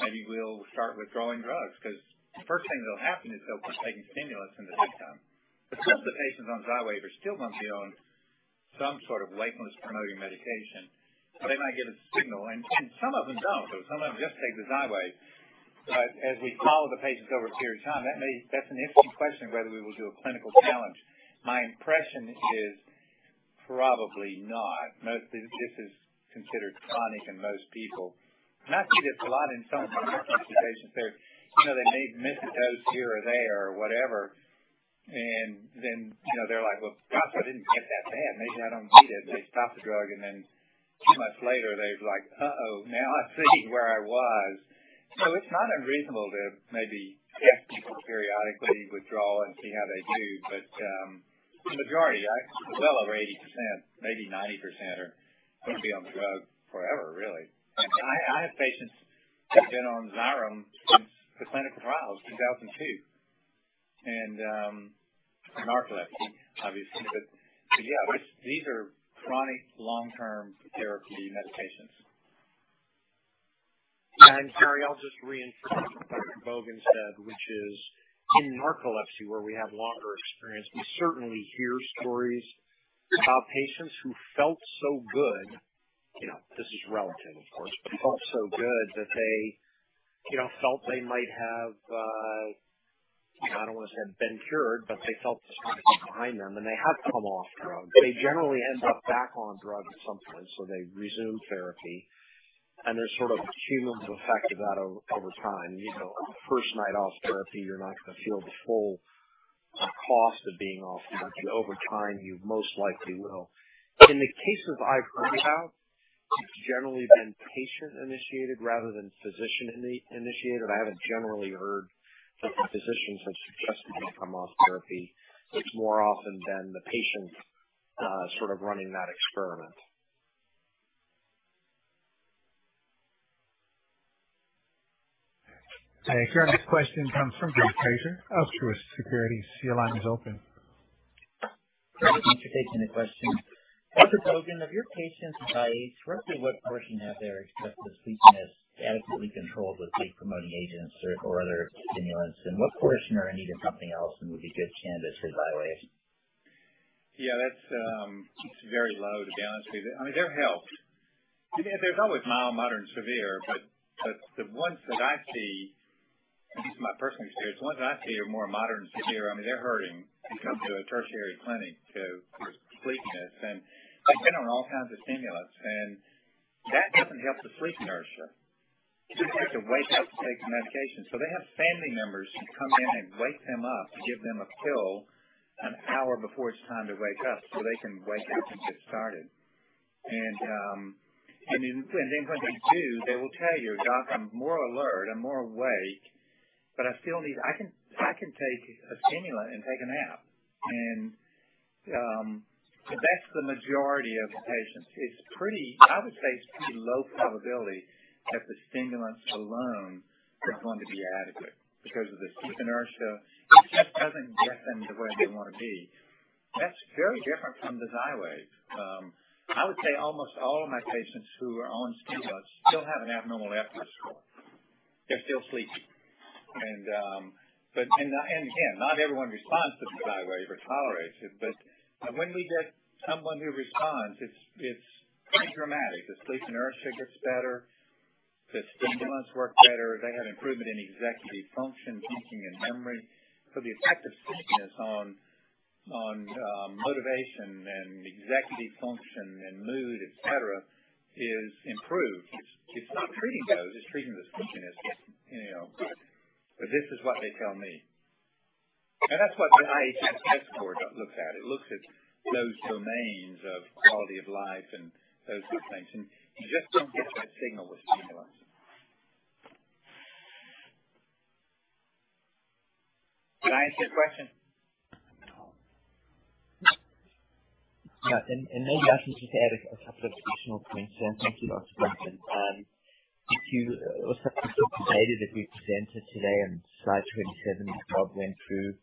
maybe we'll start withdrawing drugs." Because the first thing that'll happen is they'll be taking stimulants in the meantime. But some of the patients on Xywav are still going to be on some sort of wakefulness-promoting medication. So they might give us a signal. And some of them don't. Some of them just take the Xywav. But as we follow the patients over a period of time, that's an interesting question of whether we will do a clinical challenge. My impression is probably not. This is considered chronic in most people. And I see this a lot in some of my consultations. They may miss a dose here or there or whatever. And then they're like, "Well, gosh, I didn't get that bad. Maybe I don't need it," and they stop the drug. And then two months later, they're like, "Uh-oh. Now I see where I was." So it's not unreasonable to maybe ask people periodically to withdraw and see how they do. But the majority, well over 80%, maybe 90%, are going to be on the drug forever, really. I have patients who have been on Xyrem since the clinical trials, 2002, and narcolepsy, obviously. But yeah, these are chronic long-term therapy medications. And Gary, I'll just reinforce what Dr. Bogan said, which is in narcolepsy, where we have longer experience, we certainly hear stories about patients who felt so good (this is relative, of course) but felt so good that they felt they might have, I don't want to say been cured, but they felt this medicine behind them. And they have come off drugs. They generally end up back on drugs at some point. So they resume therapy. And there's sort of a cumulative effect of that over time. The first night off therapy, you're not going to feel the full cost of being off drugs. Over time, you most likely will. In the cases I've heard about, it's generally been patient-initiated rather than physician-initiated. I haven't generally heard that the physicians have suggested they come off therapy. It's more often than the patient sort of running that experiment. Thank you. Our next question comes from Greg Fraser of Truist Securities. Your line is open. Thanks for taking the question. Dr. Bogan, of your patients with IH, roughly what portion have their excessive sleepiness adequately controlled with sleep-promoting agents or other stimulants? And what portion are in need of something else and would be good candidates for Xywav? Yeah. That's very low, to be honest with you. I mean, they're helped. There's always mild, moderate, and severe. But the ones that I see, at least in my personal experience, the ones that I see are more moderate and severe. I mean, they're hurting to come to a tertiary clinic for sleepiness. And they've been on all kinds of stimulants. And that doesn't help the sleep inertia. You have to wake up to take the medication. So they have family members who come in and wake them up to give them a pill an hour before it's time to wake up so they can wake up and get started. And then when they do, they will tell you, "Gosh, I'm more alert. I'm more awake. But I still need—I can take a stimulant and take a nap." And that's the majority of the patients. I would say it's pretty low probability that the stimulants alone are going to be adequate because of the sleep inertia. It just doesn't get them to where they want to be. That's very different from the Xywav. I would say almost all of my patients who are on stimulants still have an abnormal Epworth score. They're still sleepy. And again, not everyone responds to the Xywav or tolerates it. But when we get someone who responds, it's pretty dramatic. The sleep inertia gets better. The stimulants work better. They have improvement in executive function, thinking, and memory. So the effect of sleepiness on motivation and executive function and mood, etc., is improved. It's not treating those. It's treating the sleepiness. But this is what they tell me. And that's what the IHSS test score looks at. It looks at those domains of quality of life and those sort of things. And you just don't get that signal with stimulants. Did I answer your question? No. And maybe I can just add a couple of additional points. Thank you, Dr. Bogan. If you were satisfied with the data that we presented today on slide 27, what we went through,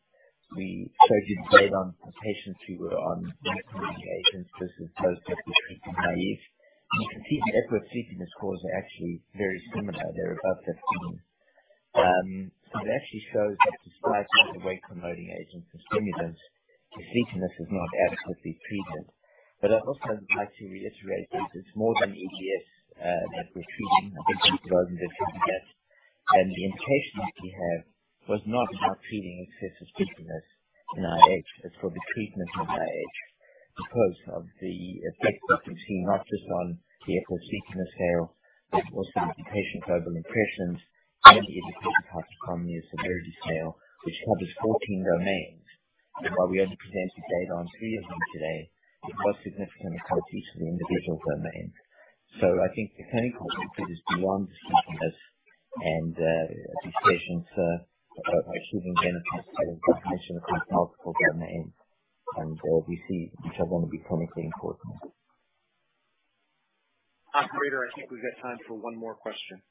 we showed you data on patients who were on narcoleptic agents versus those who were treatment-naive. You can see that their sleepiness scores are actually very similar. They're above 15. So that actually shows that despite the wake-promoting agents and stimulants, the sleepiness is not adequately treated. But I'd also like to reiterate that it's more than EDS that we're treating. I think Dr. Bogan did a good job. And the indication that we have was not about treating excessive sleepiness in IH. It's for the treatment of IH because of the effects that we've seen, not just on the Epworth Sleepiness Scale, but also the Patient Global Impressions and the Idiopathic Hypersomnia Severity Scale, which covers 14 domains. And while we only presented data on three of them today, it was significant across each of the individual domains. So I think the clinical impact is beyond the sleepiness. And these patients are achieving benefits that are not measured across multiple domains. And we see which are going to be clinically important. Operator, I think we've got time for one more question.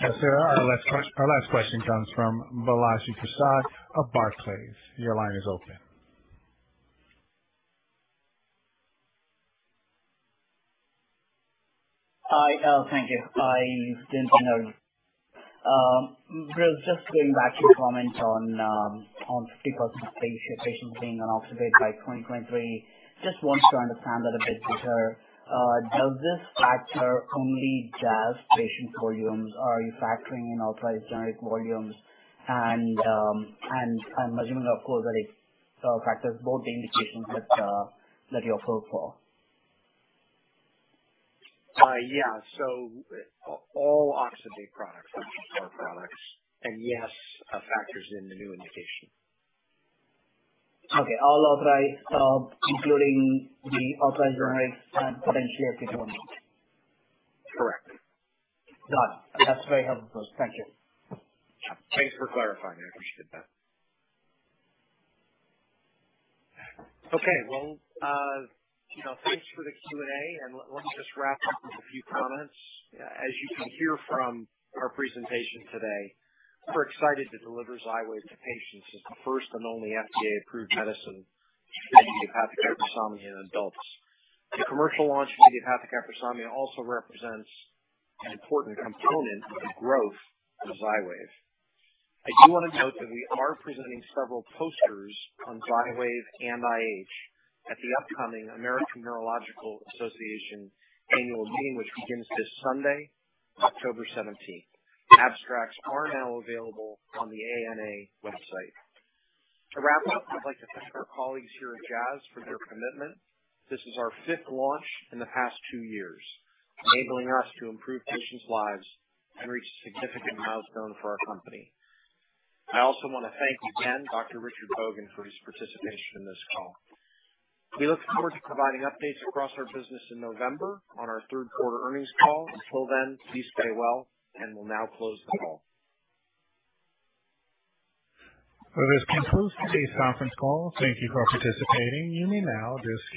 Yes. Our last question comes from Balaji Prasad of Barclays. Your line is open. Hi. Thank you. I didn't know. Bruce, just going back to your comment on 50% of patients being on oxybate by 2023, just want to understand that a bit better. Does this factor only Jazz patient volumes, or are you factoring in authorized generic volumes? And, I'm assuming, of course, that it factors both the indications that you offer for. Yeah. So all oxybate products, the new core products, and yes, factors in the new indication. Okay. All authorized, including the authorized generics and potentially Epidiolex? Correct. Got it. That's very helpful, Bruce. Thank you. Thanks for clarifying. I appreciate that. Okay. Well, thanks for the Q&A. And let me just wrap up with a few comments. As you can hear from our presentation today, we're excited to deliver Xywav to patients as the first and only FDA-approved medicine for Idiopathic Hypersomnia in adults. The commercial launch of Idiopathic Hypersomnia also represents an important component of the growth of Xywav. I do want to note that we are presenting several posters on Xywav in IH at the upcoming American Neurological Association annual meeting, which begins this Sunday, October 17th. Abstracts are now available on the ANA website. To wrap up, I'd like to thank our colleagues here at Jazz for their commitment. This is our fifth launch in the past two years, enabling us to improve patients' lives and reach a significant milestone for our company. I also want to thank again Dr. Richard Bogan for his participation in this call. We look forward to providing updates across our business in November on our third quarter earnings call. Until then, please stay well. We'll now close the call. This concludes today's conference call. Thank you for participating. You may now disconnect.